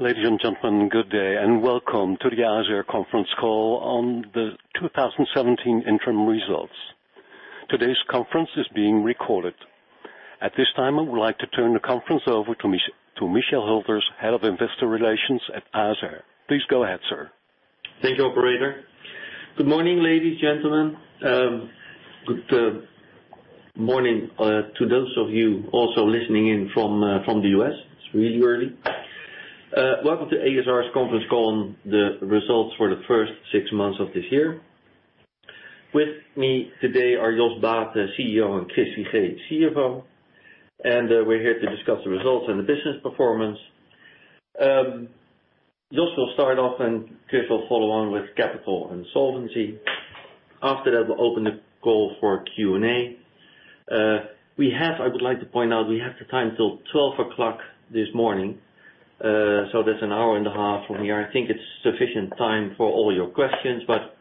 Ladies and gentlemen, good day and welcome to the ASR conference call on the 2017 interim results. Today's conference is being recorded. At this time, I would like to turn the conference over to Michel Hülters, Head of Investor Relations at ASR. Please go ahead, sir. Thank you, operator. Good morning, ladies and gentlemen. Good morning to those of you also listening in from the U.S. It's really early. Welcome to ASR's conference call on the results for the first six months of this year. With me today are Jos Baeten, CEO, and Chris Figee, CFO, and we're here to discuss the results and the business performance. Jos will start off, and Chris will follow on with capital and solvency. After that, we'll open the call for Q&A. I would like to point out, we have the time till 12 o'clock this morning, so that's an hour and a half from here. I think it's sufficient time for all your questions, but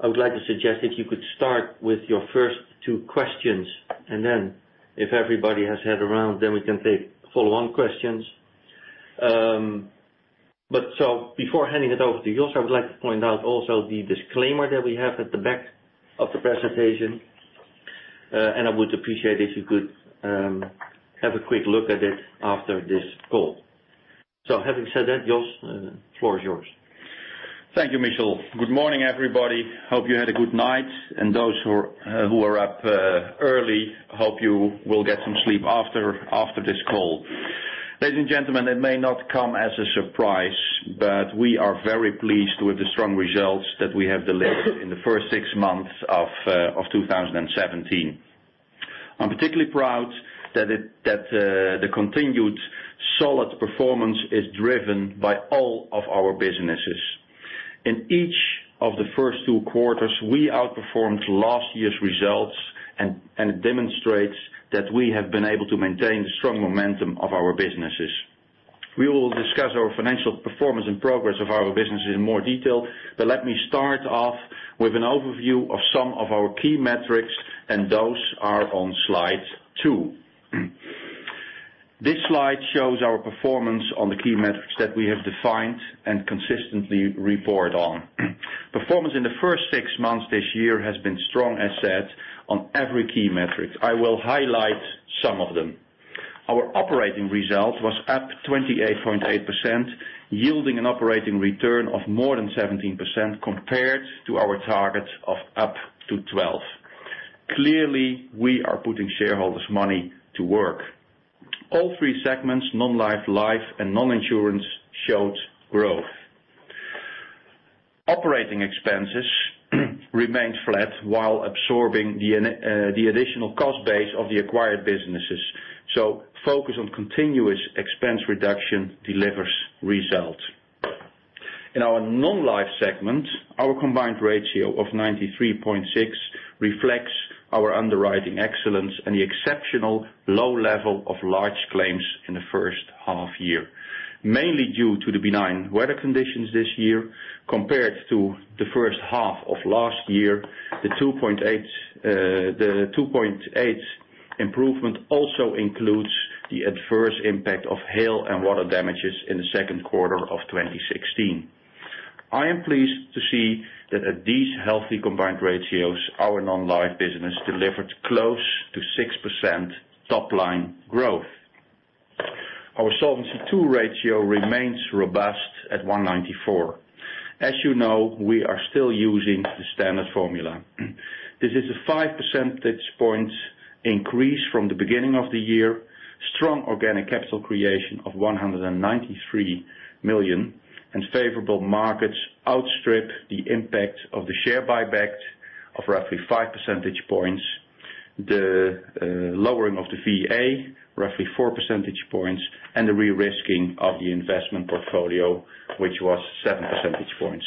I would like to suggest if you could start with your first two questions, and then if everybody has had a round, then we can take follow-on questions. Before handing it over to Jos, I would like to point out also the disclaimer that we have at the back of the presentation, and I would appreciate if you could have a quick look at it after this call. Having said that, Jos, the floor is yours. Thank you, Michel. Good morning, everybody. Hope you had a good night, and those who are up early, hope you will get some sleep after this call. Ladies and gentlemen, it may not come as a surprise, but we are very pleased with the strong results that we have delivered in the first six months of 2017. I'm particularly proud that the continued solid performance is driven by all of our businesses. In each of the first two quarters, we outperformed last year's results, and it demonstrates that we have been able to maintain the strong momentum of our businesses. We will discuss our financial performance and progress of our businesses in more detail, but let me start off with an overview of some of our key metrics, and those are on slide two. This slide shows our performance on the key metrics that we have defined and consistently report on. Performance in the first six months this year has been strong, as said, on every key metric. I will highlight some of them. Our operating result was up 28.8%, yielding an operating return of more than 17% compared to our target of up to 12%. Clearly, we are putting shareholders' money to work. All three segments, non-life, life, and non-insurance, showed growth. Operating expenses remained flat while absorbing the additional cost base of the acquired businesses. Focus on continuous expense reduction delivers results. In our non-life segment, our combined ratio of 93.6% reflects our underwriting excellence and the exceptional low level of large claims in the first half year. Mainly due to the benign weather conditions this year compared to the first half of last year, the 2.8% improvement also includes the adverse impact of hail and water damages in the second quarter of 2016. I am pleased to see that at these healthy combined ratios, our non-life business delivered close to 6% top-line growth. Our Solvency II ratio remains robust at 194%. As you know, we are still using the standard formula. This is a five percentage points increase from the beginning of the year. Strong organic capital creation of 193 million and favorable markets outstrip the impact of the share buyback of roughly five percentage points. The lowering of the VA, roughly four percentage points, and the re-risking of the investment portfolio, which was seven percentage points.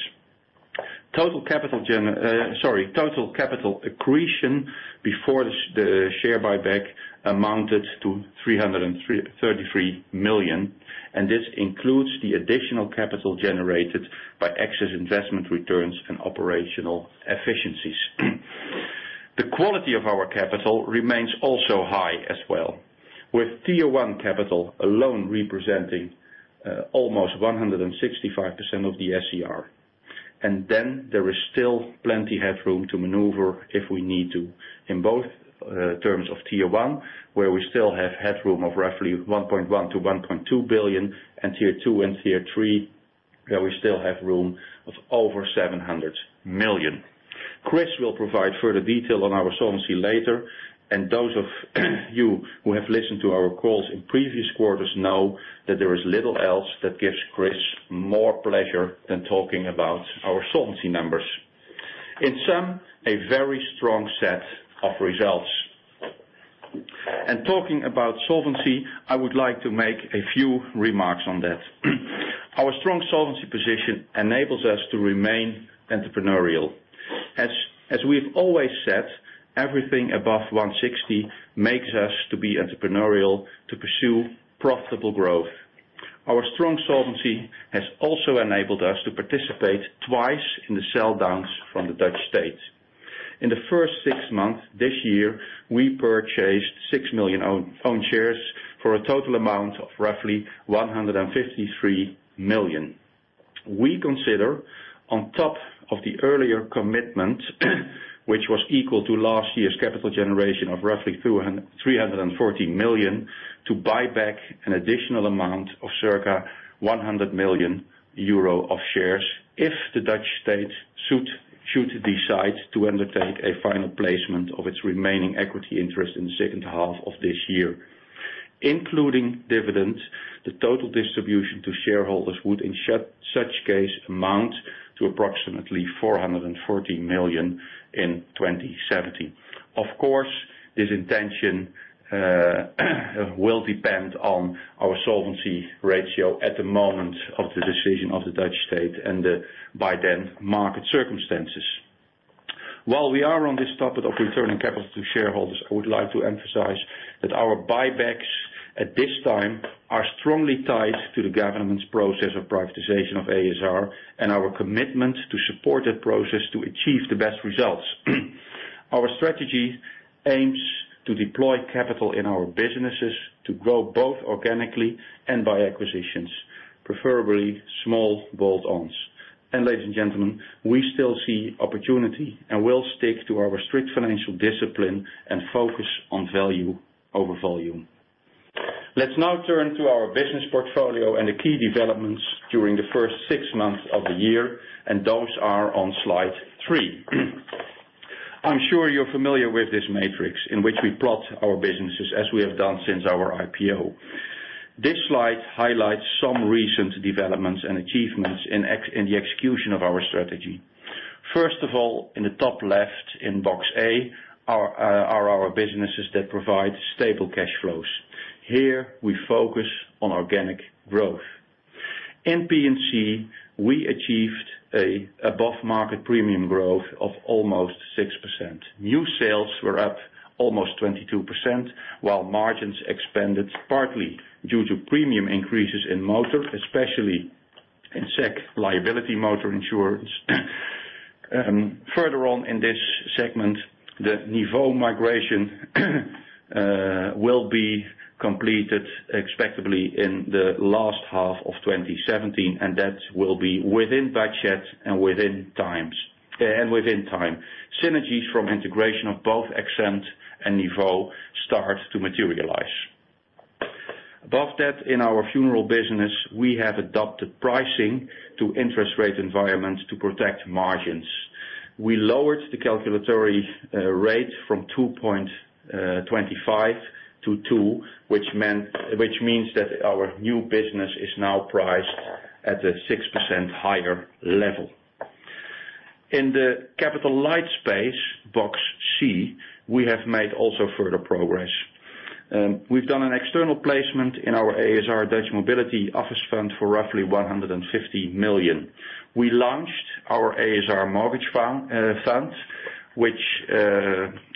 Total capital accretion before the share buyback amounted to 333 million, and this includes the additional capital generated by excess investment returns and operational efficiencies. The quality of our capital remains also high as well, with Tier 1 capital alone representing almost 165% of the SCR. There is still plenty headroom to maneuver if we need to, in both terms of Tier 1, where we still have headroom of roughly 1.1 billion-1.2 billion, and Tier 2 and Tier 3, where we still have room of over 700 million. Chris will provide further detail on our solvency later, and those of you who have listened to our calls in previous quarters know that there is little else that gives Chris more pleasure than talking about our solvency numbers. In sum, a very strong set of results. Talking about solvency, I would like to make a few remarks on that. Our strong solvency position enables us to remain entrepreneurial. As we've always said, everything above 160% makes us to be entrepreneurial to pursue profitable growth. Our strong solvency has also enabled us to participate twice in the sell downs from the Dutch state. In the first six months this year, we purchased six million own shares for a total amount of roughly 153 million. We consider on top of the earlier commitment, which was equal to last year's capital generation of roughly 340 million, to buy back an additional amount of circa 100 million euro of shares if the Dutch state should decide to undertake a final placement of its remaining equity interest in the second half of this year. Including dividends, the total distribution to shareholders would, in such case, amount to approximately 440 million in 2017. Of course, this intention will depend on our solvency ratio at the moment of the decision of the Dutch state and the, by then, market circumstances. While we are on this topic of returning capital to shareholders, I would like to emphasize that our buybacks at this time are strongly tied to the government's process of privatization of ASR and our commitment to support that process to achieve the best results. Our strategy aims to deploy capital in our businesses to grow both organically and by acquisitions, preferably small bolt-ons. Ladies and gentlemen, we still see opportunity and will stick to our strict financial discipline and focus on value over volume. Let's now turn to our business portfolio and the key developments during the first six months of the year. Those are on slide three. I'm sure you're familiar with this matrix in which we plot our businesses as we have done since our IPO. This slide highlights some recent developments and achievements in the execution of our strategy. First of all, in the top left in Box A are our businesses that provide stable cash flows. Here, we focus on organic growth. In P&C, we achieved an above-market premium growth of almost 6%. New sales were up almost 22%, while margins expanded partly due to premium increases in motor, especially in liability motor insurance. Further on in this segment, the Nivó migration will be completed expectably in the last half of 2017, and that will be within budget and within time. Synergies from integration of both AXENT and Nivó start to materialize. Above that, in our funeral business, we have adopted pricing to interest rate environments to protect margins. We lowered the calculatory rate from 2.25 to 2, which means that our new business is now priced at a 6% higher level. In the capital light space, Box C, we have made also further progress. We've done an external placement in our ASR Dutch Mobility Office Fund for roughly 150 million. We launched our ASR Mortgage Fund, which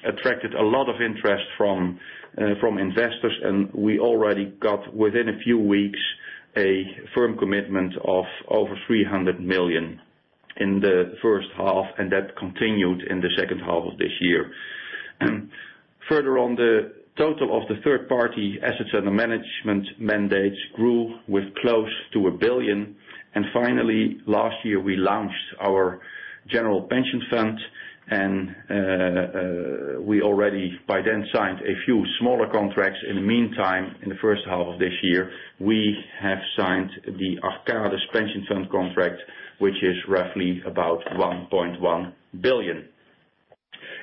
attracted a lot of interest from investors, and we already got, within a few weeks, a firm commitment of over 300 million in the first half, and that continued in the second half of this year. Further on, the total of the third-party assets under management mandates grew with close to 1 billion. Finally, last year, we launched our general pension fund, and we already by then signed a few smaller contracts. In the meantime, in the first half of this year, we have signed the Arcadis Pensioenfonds contract, which is roughly about 1.1 billion.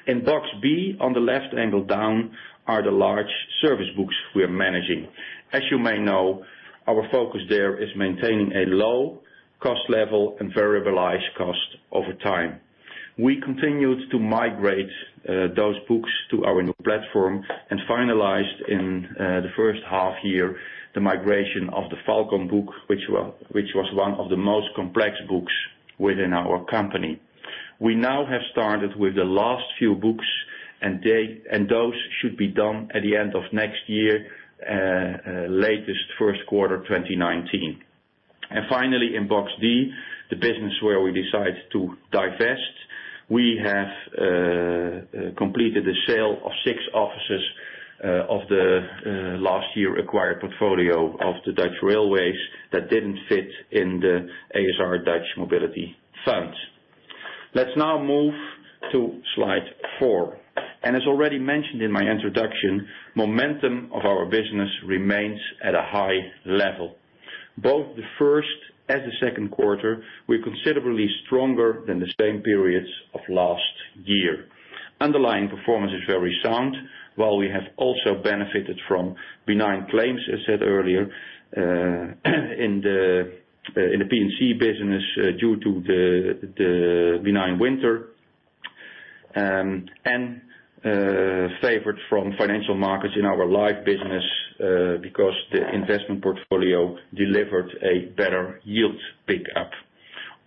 In Box B, on the left angle down are the large service books we're managing. As you may know, our focus there is maintaining a low cost level and variabilized cost over time. We continued to migrate those books to our new platform and finalized in the first half year the migration of the Falcon book, which was one of the most complex books within our company. We now have started with the last few books and those should be done at the end of next year, latest first quarter 2019. Finally, in Box D, the business where we decide to divest, we have completed the sale of 6 offices of the last year acquired portfolio of the Dutch Railways that didn't fit in the ASR Dutch Mobility Fund. Let's now move to slide four. As already mentioned in my introduction, momentum of our business remains at a high level. Both the first and the second quarter, we're considerably stronger than the same periods of last year. Underlying performance is very sound. While we have also benefited from benign claims, as said earlier, in the P&C business due to the benign winter, and favored from financial markets in our life business because the investment portfolio delivered a better yield pickup.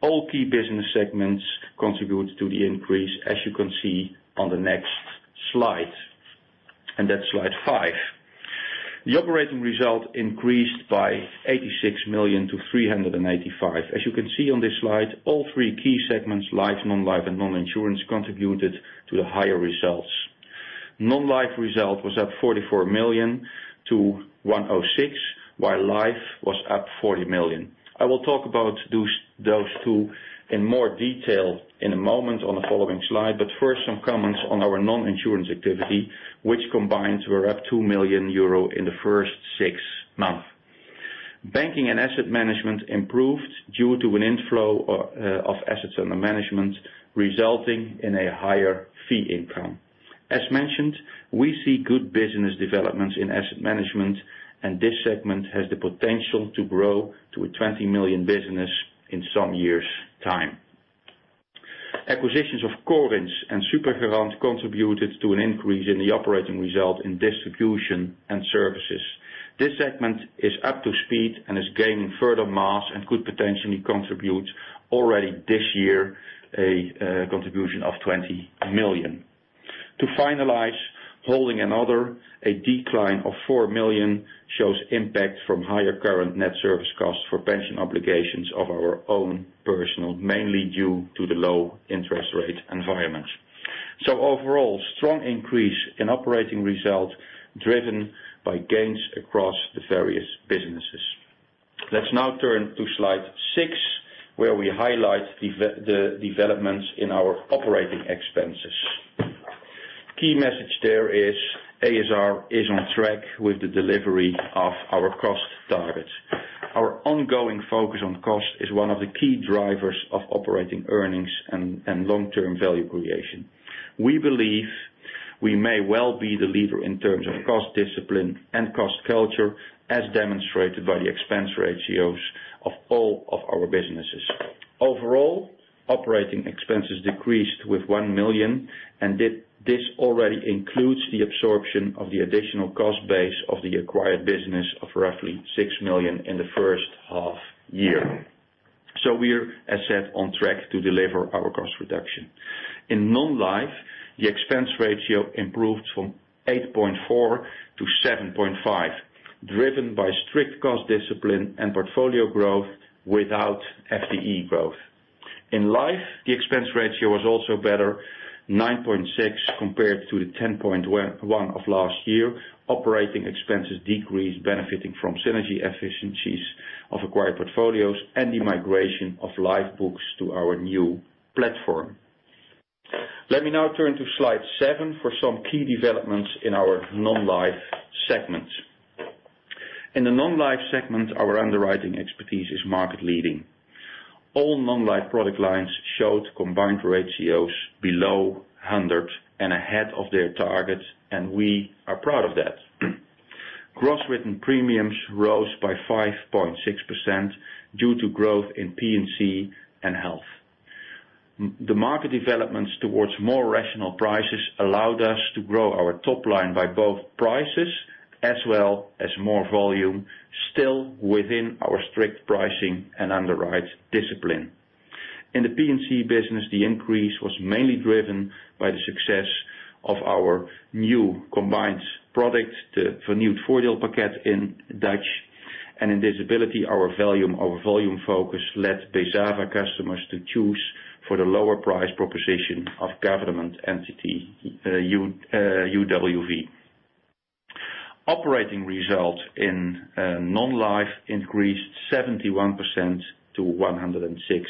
All key business segments contribute to the increase, as you can see on the next slide, and that's slide five. The operating result increased by 86 million to 385 million. As you can see on this slide, all three key segments, life, non-life, and non-insurance, contributed to the higher results. Non-life result was up 44 million to 106 million, while life was up 40 million. I will talk about those two in more detail in a moment on the following slide, but first, some comments on our non-insurance activity, which combined, were up 2 million euro in the first 6 months. Banking and asset management improved due to an inflow of assets under management, resulting in a higher fee income. As mentioned, we see good business developments in asset management, and this segment has the potential to grow to a 20 million business in some years' time. Acquisitions of Corins and SuperGarant contributed to an increase in the operating result in distribution and services. This segment is up to speed and is gaining further mass and could potentially contribute already this year a contribution of 20 million. To finalize, holding another, a decline of 4 million shows impact from higher current net service costs for pension obligations of our own personal, mainly due to the low interest rate environment. Overall, strong increase in operating results driven by gains across the various businesses. Let's now turn to slide six, where we highlight the developments in our operating expenses. Key message there is ASR is on track with the delivery of our cost targets. Our ongoing focus on cost is one of the key drivers of operating earnings and long-term value creation. We believe we may well be the leader in terms of cost discipline and cost culture, as demonstrated by the expense ratios of all of our businesses. Overall, operating expenses decreased with 1 million, and this already includes the absorption of the additional cost base of the acquired business of roughly 6 million in the first half-year. We're, as said, on track to deliver our cost reduction. In non-life, the expense ratio improved from 8.4% to 7.5%, driven by strict cost discipline and portfolio growth without FTE growth. In life, the expense ratio was also better, 9.6% compared to the 10.1% of last year. Operating expenses decreased, benefiting from synergy efficiencies of acquired portfolios and the migration of life books to our new platform. Let me now turn to slide seven for some key developments in our non-life segment. In the non-life segment, our underwriting expertise is market leading. All non-life product lines showed combined ratios below 100% and ahead of their targets, and we are proud of that. Gross written premiums rose by 5.6% due to growth in P&C and health. The market developments towards more rational prices allowed us to grow our top line by both prices as well as more volume, still within our strict pricing and underwriting discipline. In the P&C business, the increase was mainly driven by the success of our new combined product, the Vernieuwd Voordeel Pakket in Dutch, and in disability, our volume focus led Bezava customers to choose for the lower price proposition of government entity, UWV. Operating results in non-life increased 71% to 106.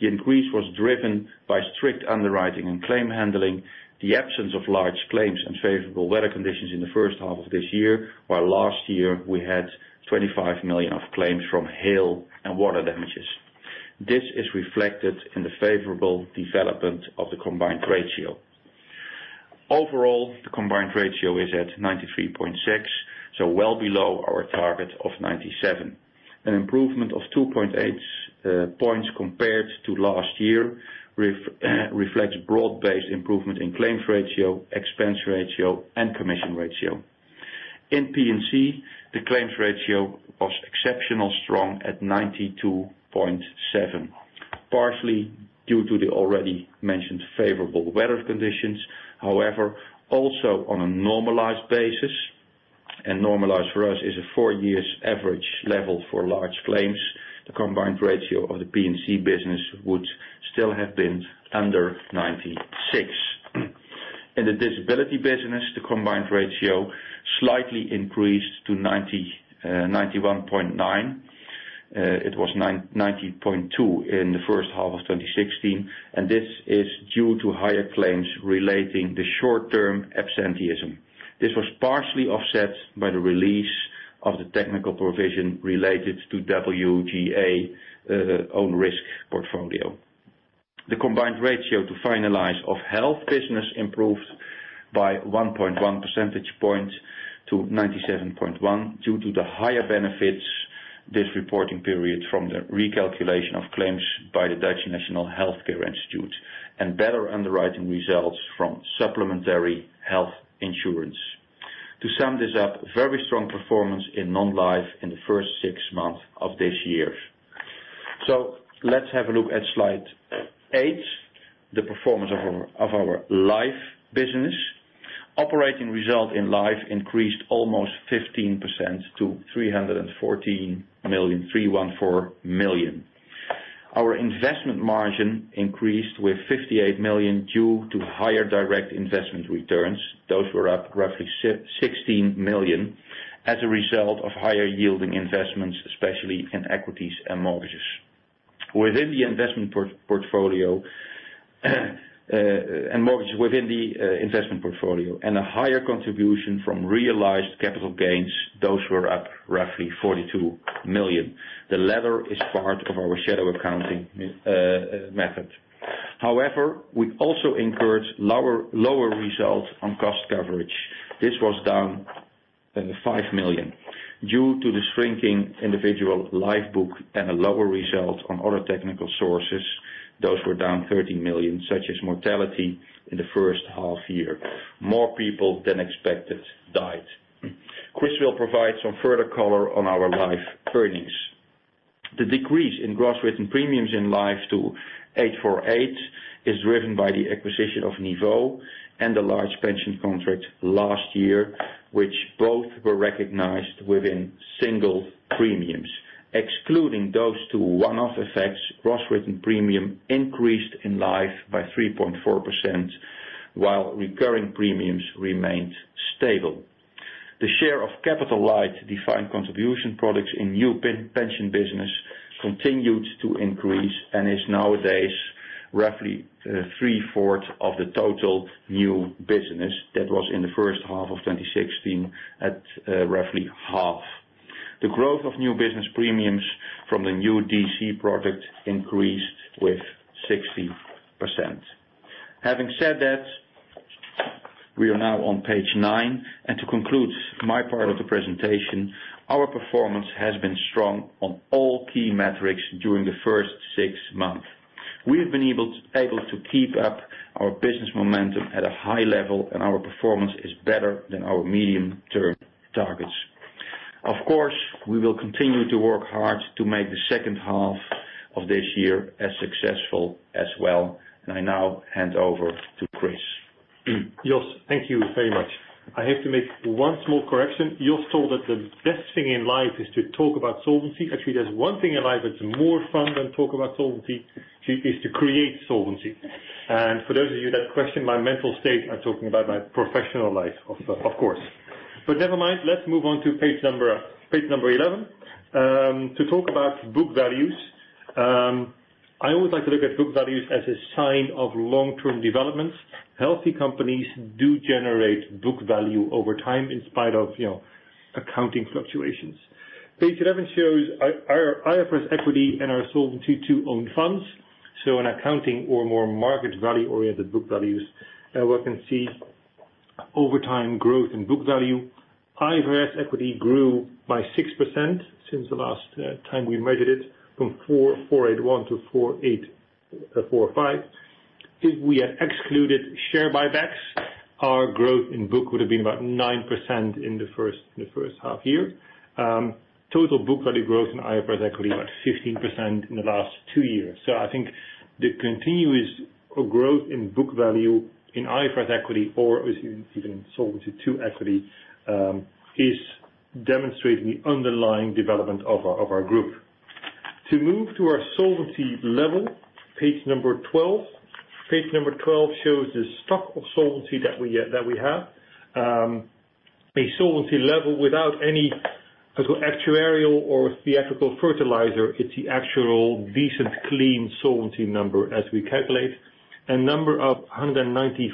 The increase was driven by strict underwriting and claim handling, the absence of large claims, and favorable weather conditions in the first half of this year, while last year we had 25 million of claims from hail and water damages. This is reflected in the favorable development of the combined ratio. Overall, the combined ratio is at 93.6%, so well below our target of 97%. An improvement of 2.8 points compared to last year reflects broad-based improvement in claims ratio, expense ratio, and commission ratio. In P&C, the claims ratio was exceptionally strong at 92.7%, partially due to the already mentioned favorable weather conditions. However, also on a normalized basis, and normalized for us is a four years average level for large claims, the combined ratio of the P&C business would still have been under 96%. In the disability business, the combined ratio slightly increased to 91.9%. It was 90.2% in the first half of 2016, and this is due to higher claims relating to short-term absenteeism. This was partially offset by the release of the technical provision related to WGA own risk portfolio. The combined ratio, to finalize, of health business improved by 1.1 percentage points to 97.1% due to the higher benefits this reporting period from the recalculation of claims by Zorginstituut Nederland and better underwriting results from supplementary health insurance. To sum this up, very strong performance in non-life in the first six months of this year. Let's have a look at slide eight, the performance of our life business. Operating result in life increased almost 15% to 314 million. Our investment margin increased with 58 million due to higher direct investment returns. Those were up roughly 16 million as a result of higher yielding investments, especially in equities and mortgages within the investment portfolio and a higher contribution from realized capital gains, those were up roughly 42 million. The latter is part of our shadow accounting method. We also incurred lower results on cost coverage. This was down 5 million due to the shrinking individual life book and a lower result on other technical sources. Those were down 13 million, such as mortality in the first half year. More people than expected died. Chris will provide some further color on our life earnings. The decrease in gross written premiums in life to 848 is driven by the acquisition of Nivó and the large pension contract last year, which both were recognized within single premiums. Excluding those two one-off effects, gross written premium increased in life by 3.4%, while recurring premiums remained stable. The share of capital light defined contribution products in new pension business continued to increase and is nowadays roughly three-fourths of the total new business that was in the first half of 2016 at roughly half. The growth of new business premiums from the new DC product increased with 60%. Having said that, we are now on page 9. To conclude my part of the presentation, our performance has been strong on all key metrics during the first six months. We have been able to keep up our business momentum at a high level. Our performance is better than our medium-term targets. Of course, we will continue to work hard to make the second half of this year as successful as well. I now hand over to Chris Figee. Jos, thank you very much. I have to make one small correction. Jos told that the best thing in life is to talk about solvency. Actually, there's one thing in life that's more fun than talk about solvency, it is to create solvency. For those of you that question my mental state, I'm talking about my professional life, of course. Never mind, let's move on to page 11. To talk about book values. I always like to look at book values as a sign of long-term developments. Healthy companies do generate book value over time in spite of accounting fluctuations. Page 11 shows our IFRS equity and our Solvency II own funds. In accounting or more market value-oriented book values, one can see over time growth in book value. IFRS equity grew by 6% since the last time we measured it, from 4,581 to 4,845. If we had excluded share buybacks, our growth in book would have been about 9% in the first half year. Total book value growth in IFRS equity about 15% in the last two years. I think the continuous growth in book value in IFRS equity or even Solvency II equity, is demonstrating the underlying development of our group. To move to our solvency level, page 12. Page 12 shows the stock of solvency that we have. A solvency level without any actuarial or theatrical fertilizer. It's the actual decent, clean solvency number as we calculate. A number of 194%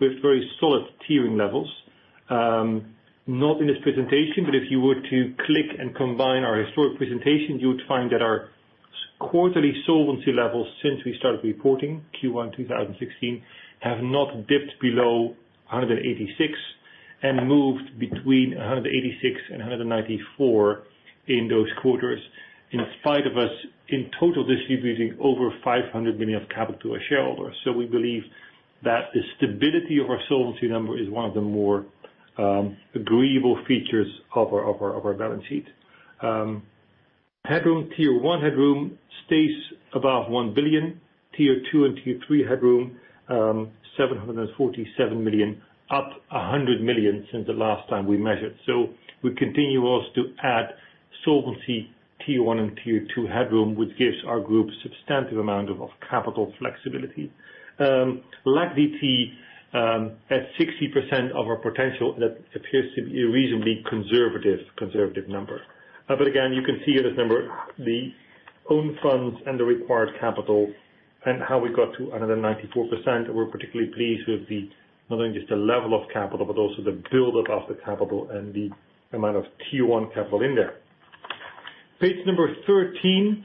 with very solid tiering levels. Not in this presentation, but if you were to click and combine our historic presentation, you would find that our quarterly solvency levels since we started reporting Q1 2016, have not dipped below 186% and moved between 186% and 194% in those quarters, in spite of us in total distributing over 500 million of capital to our shareholders. We believe that the stability of our solvency number is one of the more agreeable features of our balance sheet. Headroom, Tier 1 headroom stays above 1 billion, Tier 2 and Tier 3 headroom, 747 million, up 100 million since the last time we measured. We continue also to add solvency Tier 1 and Tier 2 headroom, which gives our group substantive amount of capital flexibility. LAC DT at 60% of our potential, that appears to be a reasonably conservative number. Again, you can see in this number the own funds and the required capital and how we got to 194%. We are particularly pleased with the, not only just the level of capital, but also the buildup of the capital and the amount of Tier 1 capital in there. Page number 13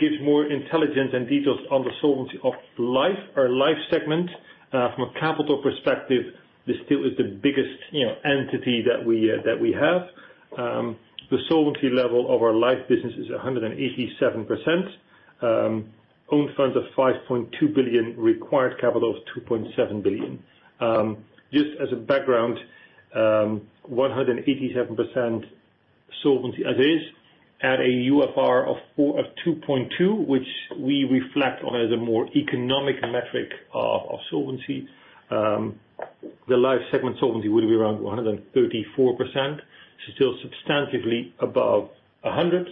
gives more intelligence and details on the solvency of life, our life segment. From a capital perspective, this still is the biggest entity that we have. The solvency level of our life business is 187%. Own funds of 5.2 billion, required capital of 2.7 billion. Just as a background, 187% solvency as is at a UFR of 2.2, which we reflect on as a more economic metric of solvency. The life segment solvency will be around 134%, so still substantively above 100.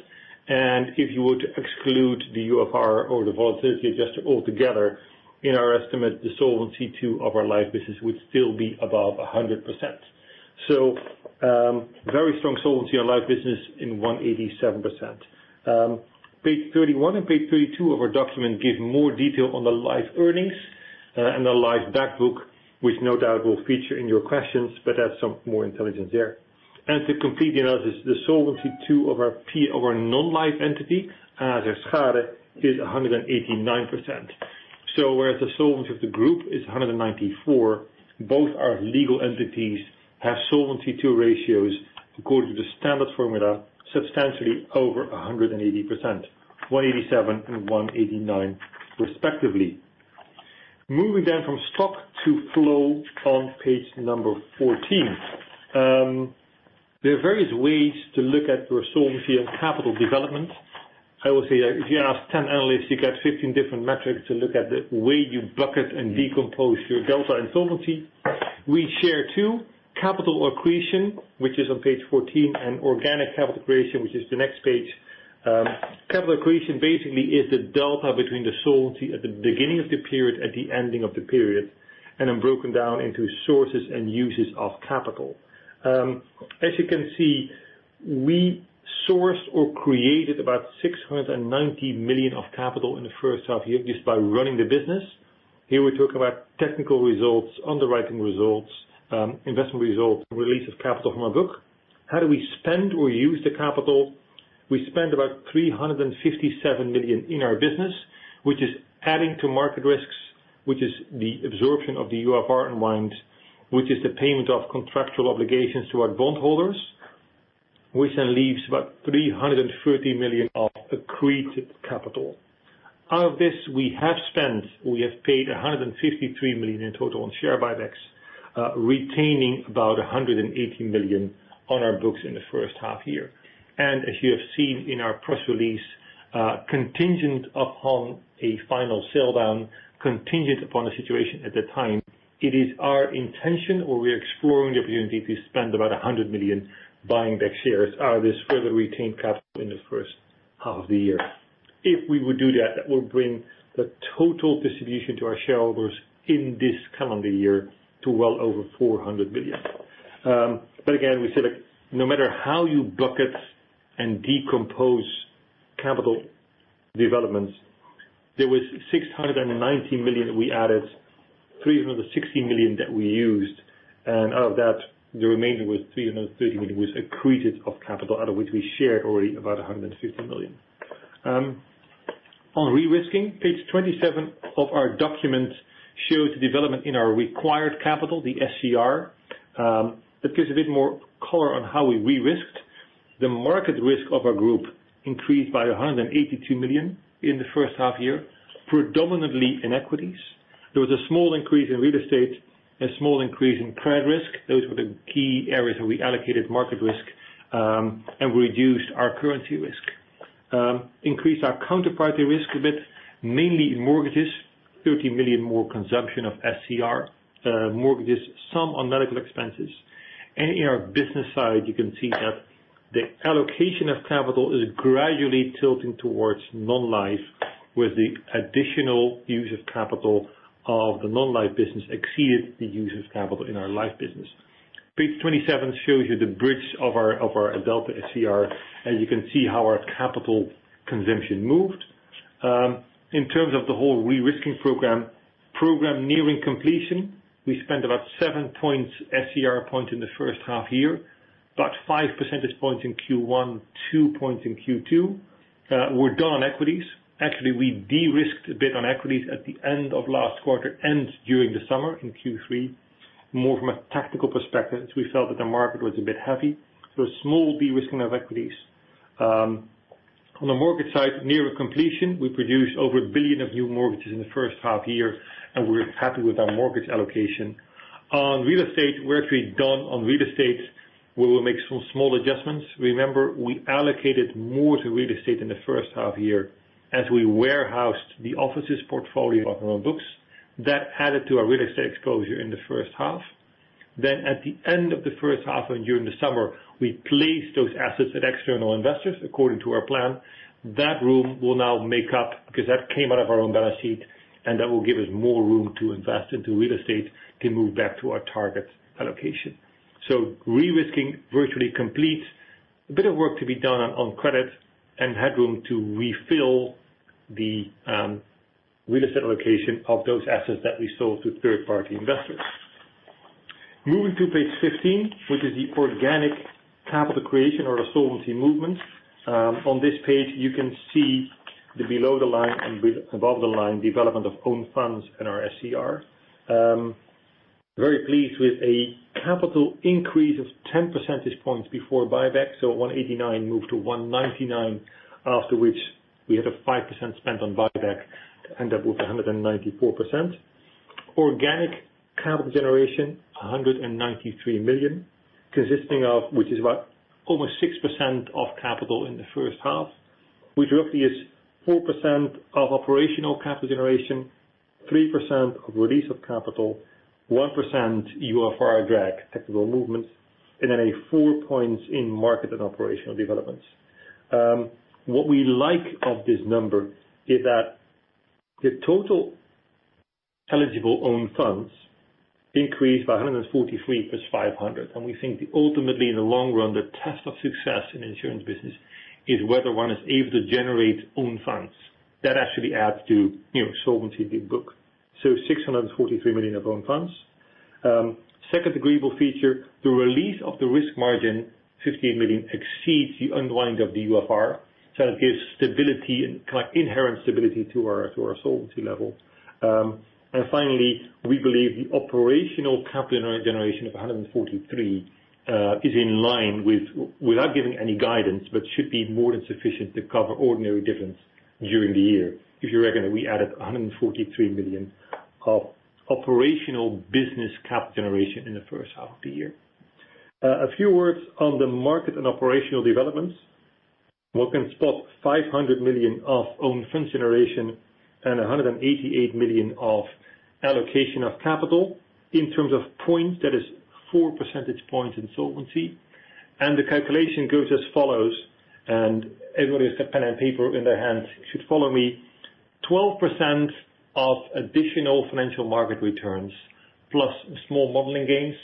If you were to exclude the UFR or the volatility adjuster altogether, in our estimate, the Solvency II of our life business would still be above 100%. Very strong solvency on life business in 187%. Page 31 and page 32 of our document give more detail on the life earnings and the life back book, which no doubt will feature in your questions, but there is some more intelligence there. To complete the analysis, the Solvency II of our non-life entity, ASR Schadeverzekering, is 189%. Whereas the solvency of the group is 194, both our legal entities have Solvency II ratios according to the standard formula, substantially over 180%, 187 and 189 respectively. Moving then from stock to flow on page number 14. There are various ways to look at your solvency and capital development. I would say that if you ask 10 analysts, you get 15 different metrics to look at the way you bucket and decompose your delta in solvency. We share two, capital accretion, which is on page 14, and organic capital accretion, which is the next page. Capital accretion basically is the delta between the solvency at the beginning of the period, at the ending of the period, and then broken down into sources and uses of capital. As you can see, we sourced or created about 690 million of capital in the first half year just by running the business. Here we talk about technical results, underwriting results, investment results, and release of capital from our book. How do we spend or use the capital? We spend about 357 million in our business, which is adding to market risks, which is the absorption of the UFR unwind, which is the payment of contractual obligations to our bondholders, which then leaves about 330 million of accreted capital. Out of this, we have paid 153 million in total on share buybacks, retaining about 118 million on our books in the first half year. As you have seen in our press release, contingent upon a final sell-down, contingent upon the situation at the time, it is our intention or we are exploring the opportunity to spend about 100 million buying back shares out of this further retained capital in the first half of the year. If we would do that will bring the total distribution to our shareholders in this calendar year to well over 400 million. Again, we say that no matter how you bucket and decompose capital developments, there was 690 million that we added, 360 million that we used, and out of that, the remaining was 330 million was accreted of capital, out of which we shared already about 150 million. On re-risking, page 27 of our document shows the development in our required capital, the SCR. That gives a bit more color on how we re-risked. The market risk of our group increased by 182 million in the first half year, predominantly in equities. There was a small increase in real estate, a small increase in credit risk. Those were the key areas where we allocated market risk and reduced our currency risk. Increased our counterparty risk a bit, mainly in mortgages, 30 million more consumption of SCR mortgages, some on medical expenses. In our business side, you can see that the allocation of capital is gradually tilting towards non-life, where the additional use of capital of the non-life business exceeded the use of capital in our life business. Page 27 shows you the bridge of our delta SCR, as you can see how our capital consumption moved. In terms of the whole re-risking program nearing completion. We spent about seven points SCR in the first half year, about five percentage points in Q1, two points in Q2. We're done equities. Actually, we de-risked a bit on equities at the end of last quarter and during the summer in Q3. More from a tactical perspective, we felt that the market was a bit heavy, so a small de-risking of equities. On the mortgage side, near completion. We produced over 1 billion of new mortgages in the first half year, and we're happy with our mortgage allocation. On real estate, we're actually done on real estate. We will make some small adjustments. Remember, we allocated more to real estate in the first half year as we warehoused the offices portfolio off our own books. That added to our real estate exposure in the first half. At the end of the first half and during the summer, we placed those assets at external investors according to our plan. That room will now make up because that came out of our own balance sheet, and that will give us more room to invest into real estate to move back to our target allocation. Re-risking virtually complete. A bit of work to be done on credit and headroom to refill the real estate allocation of those assets that we sold to third-party investors. Moving to page 15, which is the organic capital creation or our solvency movements. On this page, you can see the below the line and above the line development of own funds and our SCR. Very pleased with a capital increase of 10 percentage points before buyback. 189% moved to 199%, after which we had a 5% spent on buyback to end up with 194%. Organic capital generation, 193 million, consisting of which is about almost 6% of capital in the first half, which roughly is 4% of operational capital generation, 3% of release of capital, 1% UFR drag technical movements, four points in market and operational developments. What we like of this number is that the total eligible own funds increased by 143 million plus 500 million. We think ultimately, in the long run, the test of success in the insurance business is whether one is able to generate own funds. That actually adds to solvency in book. 643 million of own funds. Second agreeable feature, the release of the risk margin, 15 million exceeds the unwind of the UFR. That gives stability and inherent stability to our solvency level. Finally, we believe the operational capital generation of 143 million is in line with, without giving any guidance, but should be more than sufficient to cover ordinary difference during the year. If you reckon that we added 143 million of operational business capital generation in the first half of the year. A few words on the market and operational developments. One can spot 500 million of own fund generation and 188 million of allocation of capital. In terms of points, that is four percentage points in solvency. The calculation goes as follows, and everybody who's got pen and paper in their hands should follow me. 12% of additional financial market returns plus small modeling gains,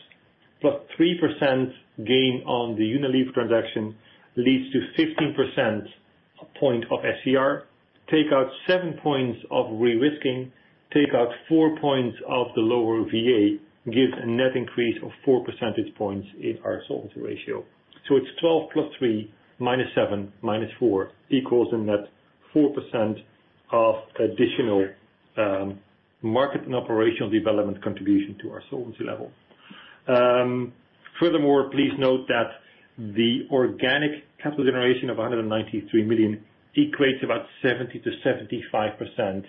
plus 3% gain on the Unilever transaction leads to 15% point of SCR. Take out seven points of risk weighting, take out four points of the lower VA, gives a net increase of four percentage points in our solvency ratio. It's 12 plus three, minus seven, minus four, equals a net 4% of additional market and operational development contribution to our solvency level. Furthermore, please note that the organic capital generation of 193 million equates about 70%-75%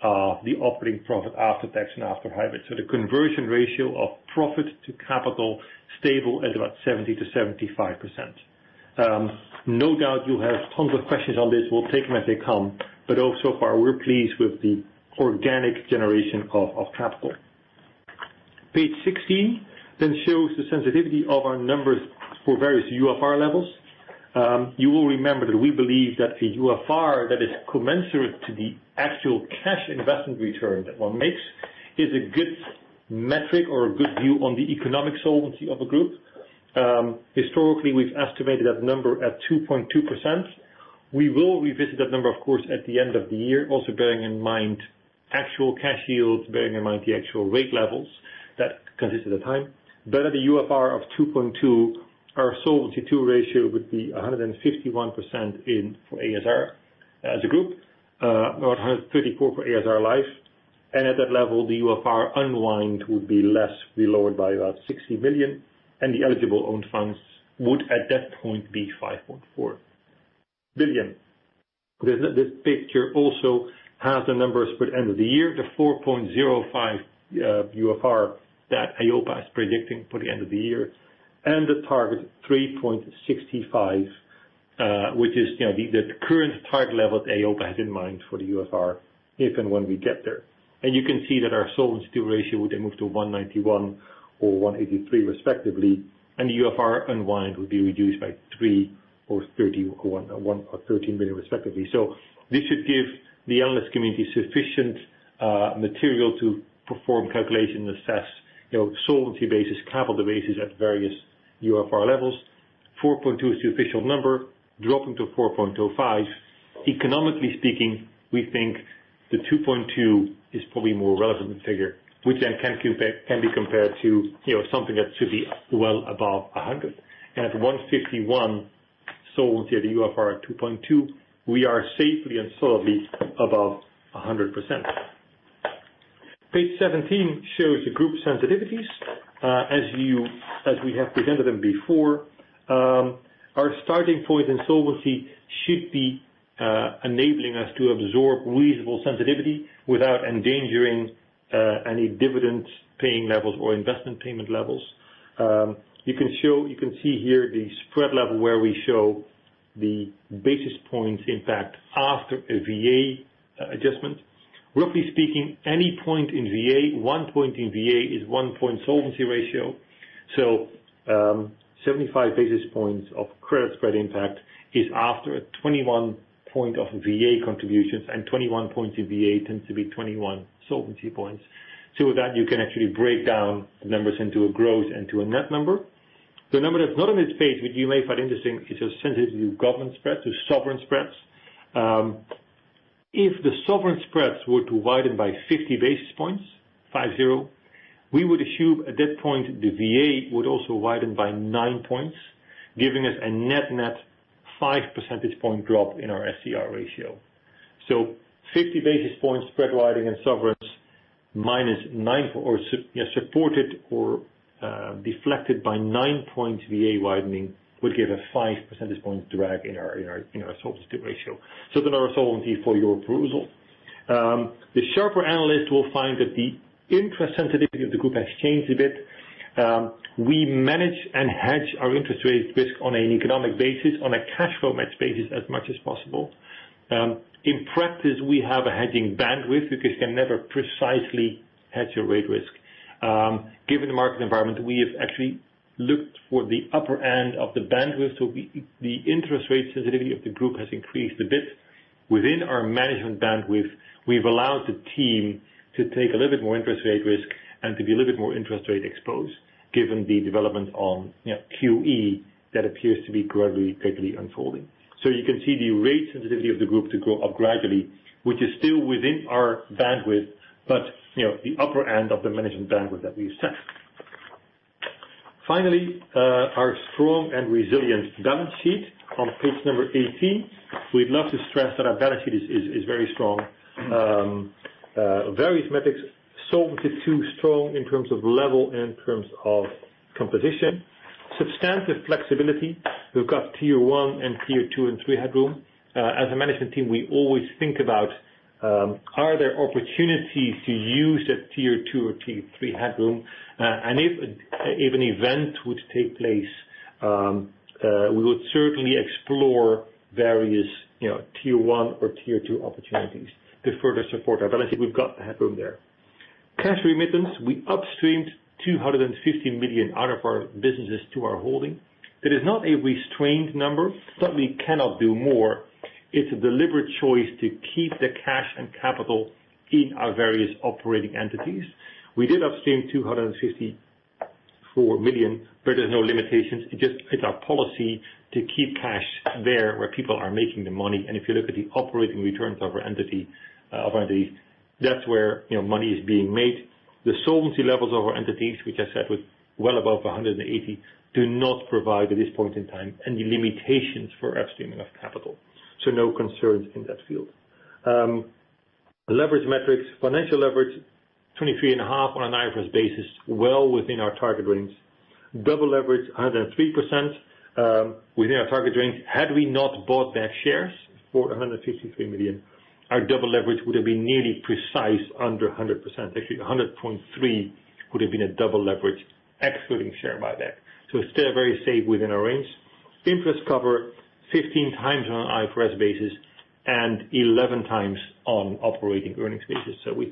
of the operating profit after tax and after hybrid. The conversion ratio of profit to capital stable at about 70%-75%. No doubt you have tons of questions on this. We'll take them as they come. All so far, we're pleased with the organic generation of capital. Page 16 then shows the sensitivity of our numbers for various UFR levels. You will remember that we believe that a UFR that is commensurate to the actual cash investment return that one makes is a good metric or a good view on the economic solvency of a group. Historically, we've estimated that number at 2.2%. We will revisit that number, of course, at the end of the year, also bearing in mind actual cash yields, bearing in mind the actual rate levels that consist at the time. At a UFR of 2.2, our Solvency II ratio would be 151% for ASR as a group, or 134% for ASR Life. At that level, the UFR unwind would be less. We lowered by about 60 million, and the eligible own funds would at that point be 5.4 billion. This picture also has the numbers for the end of the year, the 4.05 UFR that EIOPA is predicting for the end of the year, and the target 3.65, which is the current target level that EIOPA has in mind for the UFR, if and when we get there. You can see that our Solvency II ratio would then move to 191% or 183% respectively, and the UFR unwind would be reduced by 3 million or 13 million, respectively. This should give the analyst community sufficient material to perform calculation and assess solvency basis, capital basis at various UFR levels. 4.2 is the official number, dropping to 4.05. Economically speaking, we think the 2.2 is probably a more relevant figure, which then can be compared to something that should be well above 100. At 151 solvency at a UFR of 2.2, we are safely and solidly above 100%. Page 17 shows the group sensitivities. As we have presented them before, our starting point in solvency should be enabling us to absorb reasonable sensitivity without endangering any dividend paying levels or investment payment levels. You can see here the spread level where we show the basis points impact after a VA adjustment. Roughly speaking, any point in VA, one point in VA is one point solvency ratio. 75 basis points of credit spread impact is after a 21 point of VA contributions, and 21 points in VA tends to be 21 solvency points. With that, you can actually break down the numbers into a gross and to a net number. The number that's not on this page, which you may find interesting, is a sensitivity to government spread, to sovereign spreads. If the sovereign spreads were to widen by 50 basis points, five, zero, we would assume at that point, the VA would also widen by nine points, giving us a net-net five percentage point drop in our SCR ratio. 50 basis points spread widening and sovereigns minus nine, or supported or deflected by nine points VA widening would give a five percentage points drag in our solvency ratio. Then our solvency for your approval. The sharper analyst will find that the interest sensitivity of the group has changed a bit. We manage and hedge our interest rate risk on an economic basis, on a cash flow match basis as much as possible. In practice, we have a hedging bandwidth because you can never precisely hedge your rate risk. Given the market environment, we have actually looked for the upper end of the bandwidth. The interest rate sensitivity of the group has increased a bit. Within our management bandwidth, we've allowed the team to take a little bit more interest rate risk and to be a little bit more interest rate exposed given the development on QE that appears to be gradually, quickly unfolding. You can see the rate sensitivity of the group to go up gradually, which is still within our bandwidth, but the upper end of the management bandwidth that we've set. Finally, our strong and resilient balance sheet on page number 18. We'd love to stress that our balance sheet is very strong. Various metrics, Solvency II strong in terms of level, in terms of composition. Substantive flexibility. We've got tier 1 and tier 2 and tier 3 headroom. As a management team, we always think about, are there opportunities to use that tier 2 or tier 3 headroom. If an event would take place, we would certainly explore various tier 1 or tier 2 opportunities to further support our balance sheet. We've got headroom there. Cash remittance, we upstreamed 250 million out of our businesses to our holding. That is not a restrained number. It's not we cannot do more. It's a deliberate choice to keep the cash and capital in our various operating entities. We did upstream 264 million, there's no limitations. It's our policy to keep cash there where people are making the money. If you look at the operating returns of our entities, that's where money is being made. The solvency levels of our entities, which I said was well above 180%, do not provide, at this point in time, any limitations for upstreaming of capital. No concerns in that field. Leverage metrics, financial leverage 23.5% on an IFRS basis, well within our target range. Double leverage, 103%, within our target range. Had we not bought back shares for 153 million, our double leverage would have been nearly precise under 100%. Actually, 100.3% would have been a double leverage excluding share buyback. Still very safe within our range. Interest cover, 15 times on an IFRS basis and 11 times on operating earnings basis. We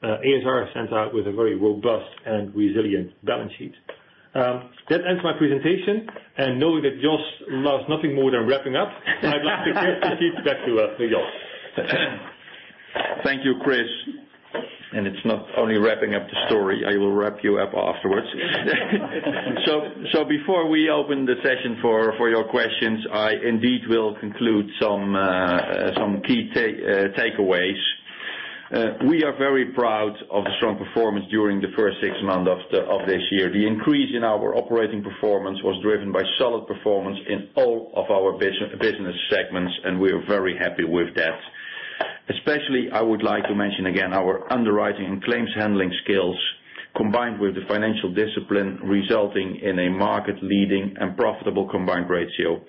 think ASR stands out with a very robust and resilient balance sheet. That ends my presentation. Knowing that Jos loves nothing more than wrapping up, I'd like to hand the sheet back to Jos. Thank you, Chris. It's not only wrapping up the story. I will wrap you up afterwards. Before we open the session for your questions, I indeed will conclude some key takeaways. We are very proud of the strong performance during the first six months of this year. The increase in our operating performance was driven by solid performance in all of our business segments, and we are very happy with that. Especially, I would like to mention again our underwriting and claims handling skills, combined with the financial discipline resulting in a market leading and profitable combined ratio.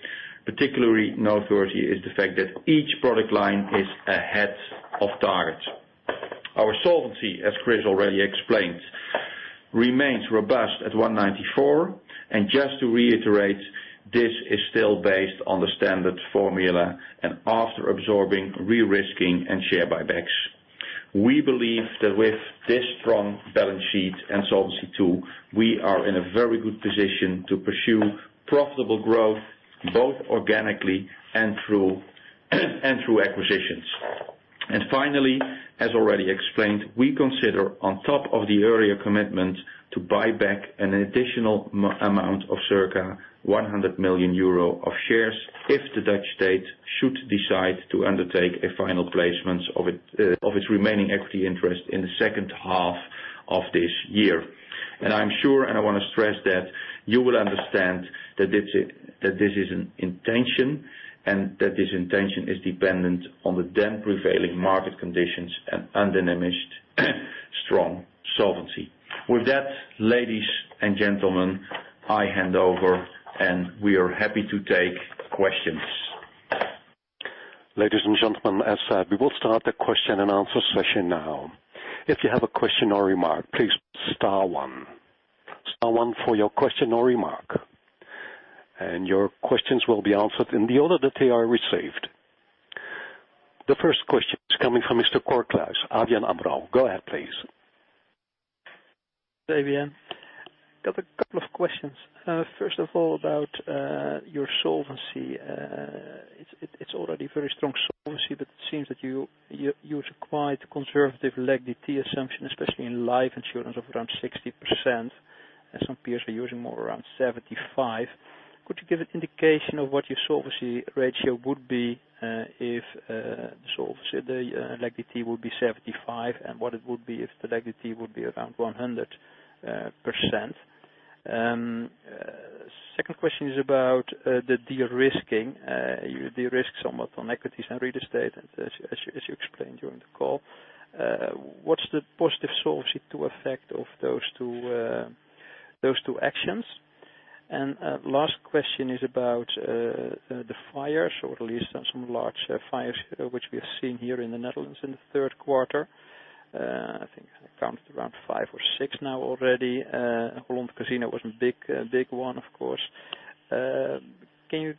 Particularly noteworthy is the fact that each product line is ahead of target. Our solvency, as Chris already explained, remains robust at 194%. Just to reiterate, this is still based on the standard formula and after absorbing re-risking and share buybacks. We believe that with this strong balance sheet and Solvency II, we are in a very good position to pursue profitable growth both organically and through acquisitions. Finally, as already explained, we consider on top of the earlier commitment to buy back an additional amount of circa 100 million euro of shares if the Dutch state should decide to undertake a final placement of its remaining equity interest in the second half of this year. I'm sure, and I want to stress that you will understand that this is an intention and that this intention is dependent on the then prevailing market conditions and undiminished strong solvency. With that, ladies and gentlemen, I hand over and we are happy to take questions. Ladies and gentlemen, as said, we will start the question and answer session now. If you have a question or remark, please star one. Star one for your question or remark. Your questions will be answered in the order that they are received. The first question is coming from Mr. Cor Kluis, ABN AMRO. Go ahead, please. ABN. Got a couple of questions. First of all, about your solvency. It is already very strong solvency, but it seems that you use a quite conservative legacy assumption, especially in life insurance of around 60%, and some peers were using more around 75%. Could you give an indication of what your solvency ratio would be if the legacy would be 75%, and what it would be if the legacy would be around 100%? Second question is about the de-risking. You de-risk somewhat on equities and real estate, as you explained during the call. What is the positive solvency to effect of those two actions? Last question is about the fires, or at least some large fires, which we have seen here in the Netherlands in the third quarter. I think I counted around 5 or 6 now already. Holland Casino was a big one, of course. Can you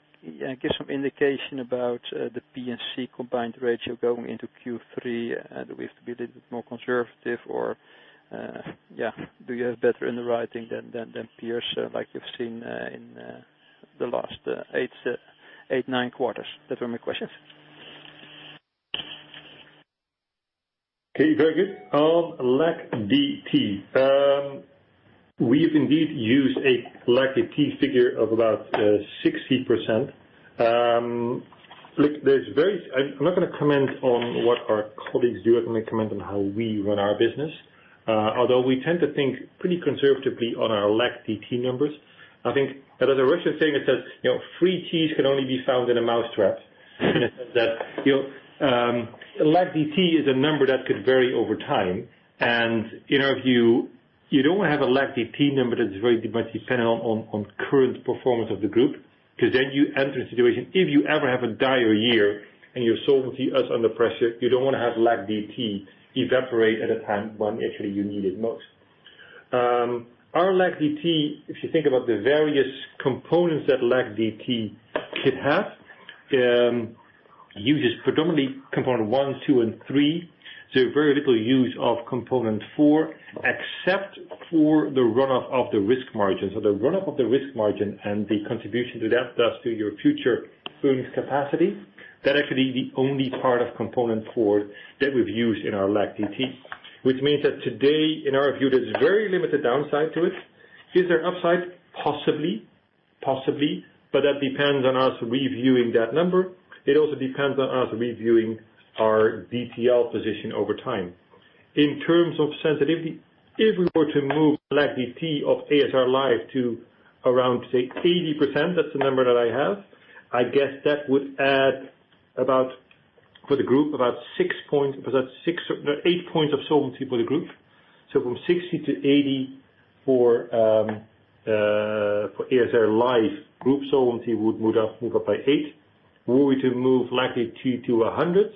give some indication about the P&C combined ratio going into Q3? Do we have to be a little bit more conservative or do you have better in the writing than peers like you have seen in the last 8, 9 quarters? Those are my questions. Okay, very good. On LAC DT. We have indeed used a LAC DT figure of about 60%. I am not going to comment on what our colleagues do. I am going to comment on how we run our business. Although we tend to think pretty conservatively on our LAC DT numbers. I think there is a Russian saying that says, "Free cheese can only be found in a mousetrap." In a sense that, LAC DT is a number that could vary over time. In our view, you do not want to have a LAC DT number that is very much dependent on current performance of the group, because then you enter a situation, if you ever have a dire year and your solvency is under pressure, you do not want to have LAC DT evaporate at a time when actually you need it most. Our LAC DT, if you think about the various components that LAC DT could have, uses predominantly component 1, 2, and 3. Very little use of component 4, except for the runoff of the risk margin. The runoff of the risk margin and the contribution to that, thus to your future earnings capacity, that actually the only part of component 4 that we've used in our LAC DT. This means that today, in our view, there's very limited downside to it. Is there an upside? Possibly. Possibly, that depends on us reviewing that number. It also depends on us reviewing our DTL position over time. In terms of sensitivity, if we were to move LAC DT of ASR Life to around, say, 80%, that's the number that I have, I guess that would add for the group, about eight points of solvency for the group. From 60 to 80 for ASR Life group solvency would move up by eight. Were we to move LAC DT to 100,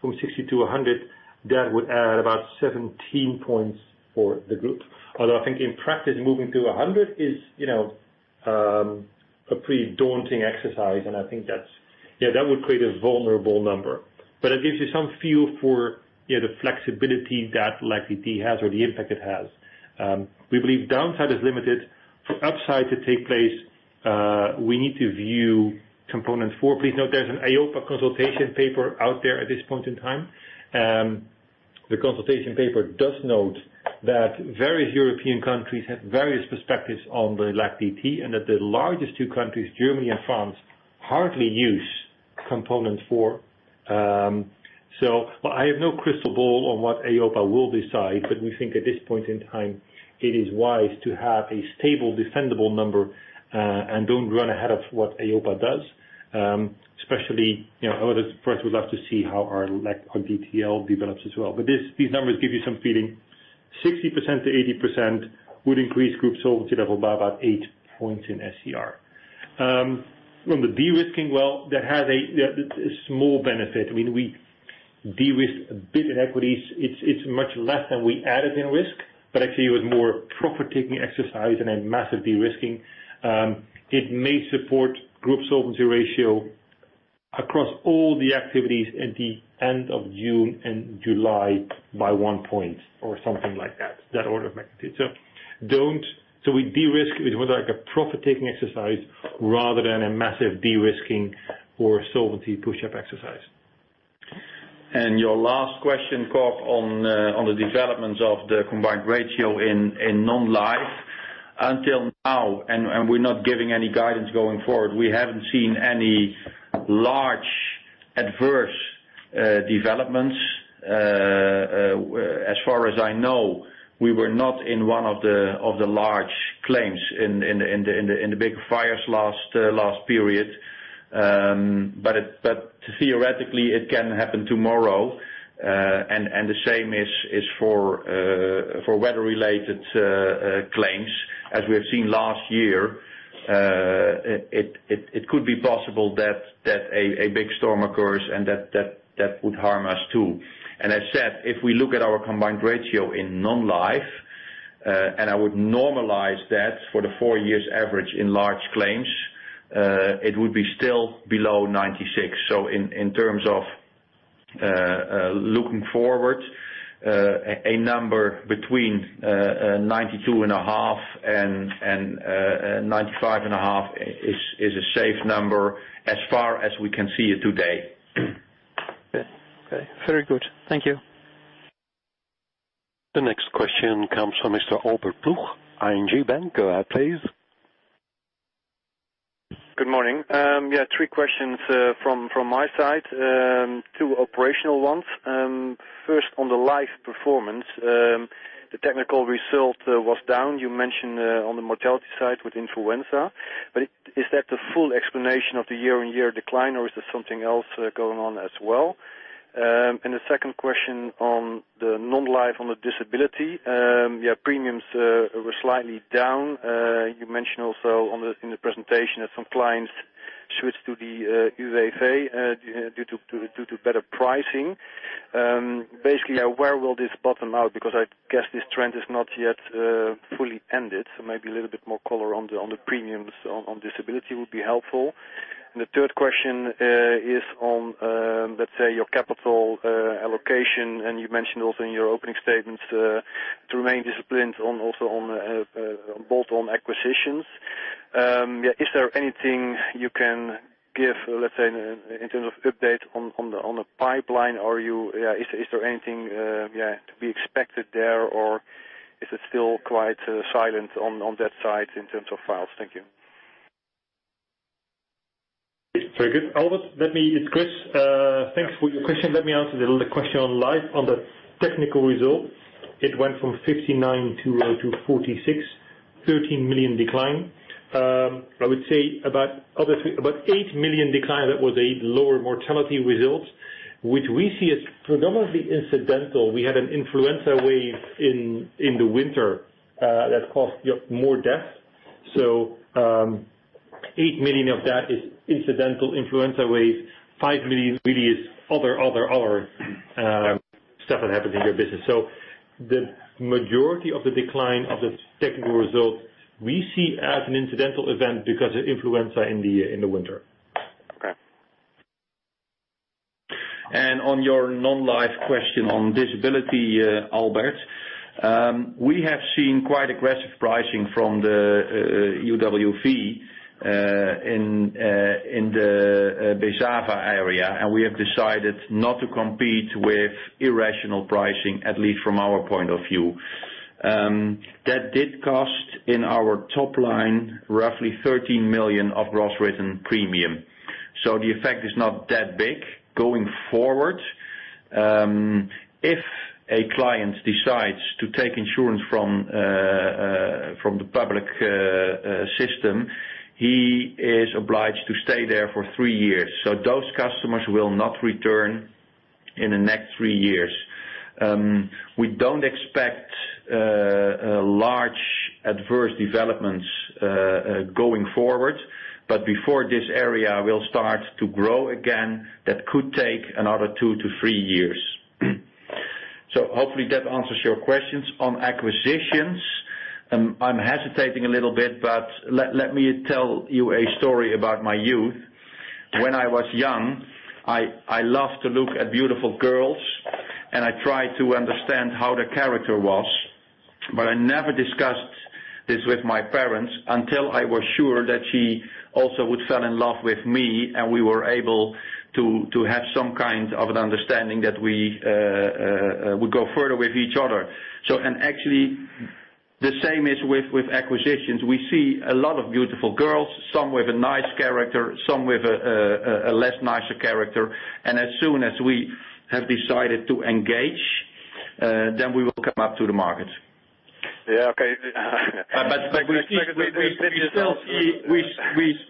from 60 to 100, that would add about 17 points for the group. I think in practice, moving to 100 is a pretty daunting exercise, and I think that would create a vulnerable number. It gives you some feel for the flexibility that LAC DT has or the impact it has. We believe downside is limited. For upside to take place, we need to view component 4. Please note there's an EIOPA consultation paper out there at this point in time. The consultation paper does note that various European countries have various perspectives on the LAC DT, and that the largest 2 countries, Germany and France, hardly use component 4. I have no crystal ball on what EIOPA will decide, we think at this point in time, it is wise to have a stable, defendable number, and don't run ahead of what EIOPA does. First we'd love to see how our DTL develops as well. These numbers give you some feeling. 60%-80% would increase group solvency level by about eight points in SCR. From the de-risking, well, that has a small benefit. We de-risk a bit in equities. It's much less than we added in risk, actually it was more profit-taking exercise than a massive de-risking. It may support group solvency ratio across all the activities at the end of June and July by one point or something like that order of magnitude. We de-risk. It was like a profit-taking exercise rather than a massive de-risking or solvency push-up exercise. Your last question, Cor, on the developments of the combined ratio in non-life. Until now, we're not giving any guidance going forward, we haven't seen any large adverse developments. As far as I know, we were not in one of the large claims in the big fires last period. Theoretically, it can happen tomorrow. The same is for weather-related claims. As we have seen last year, it could be possible that a big storm occurs and that would harm us too. As said, if we look at our combined ratio in non-life, I would normalize that for the 4 years average in large claims, it would be still below 96. In terms of looking forward, a number between 92.5 and 95.5 is a safe number as far as we can see it today. Okay. Very good. Thank you. The next question comes from Mr. Albert Ploegh, ING Bank. Go ahead, please. Good morning. Three questions from my side, two operational ones. First, on the life performance. The technical result was down. You mentioned on the mortality side with influenza, but is that the full explanation of the year-over-year decline, or is there something else going on as well? The second question on the non-life on the disability, your premiums were slightly down. You mentioned also in the presentation that some clients switched to the UWV due to better pricing. Basically, where will this bottom out? I guess this trend is not yet fully ended, so maybe a little bit more color on the premiums on disability would be helpful. The third question is on, let's say, your capital allocation. You mentioned also in your opening statements to remain disciplined also on bolt-on acquisitions. Is there anything you can give, let's say, in terms of update on the pipeline? Is there anything to be expected there, or is it still quite silent on that side in terms of files? Thank you. Very good, Albert. It's Chris. Thanks for your question. Let me answer the question on life. On the technical result, it went from 59 to 46, 13 million decline. I would say about 8 million decline, that was a lower mortality result, which we see as predominantly incidental. We had an influenza wave in the winter that caused more deaths. 8 million of that is incidental influenza wave, 5 million really is other stuff that happens in your business. The majority of the decline of the technical result we see as an incidental event because of influenza in the winter. Okay. On your non-live question on disability, Albert. We have seen quite aggressive pricing from the UWV in the Bezava area, and we have decided not to compete with irrational pricing, at least from our point of view. That did cost in our top line, roughly 13 million of gross written premium. The effect is not that big going forward. If a client decides to take insurance from the public system, he is obliged to stay there for three years. Those customers will not return in the next three years. We don't expect large adverse developments going forward, but before this area will start to grow again, that could take another two to three years. Hopefully that answers your questions on acquisitions. I'm hesitating a little bit, but let me tell you a story about my youth. When I was young, I loved to look at beautiful girls, and I tried to understand how the character was, but I never discussed this with my parents until I was sure that she also would fell in love with me, and we were able to have some kind of an understanding that we would go further with each other. Actually, the same is with acquisitions. We see a lot of beautiful girls, some with a nice character, some with a less nicer character. As soon as we have decided to engage, we will come up to the market. Yeah. Okay.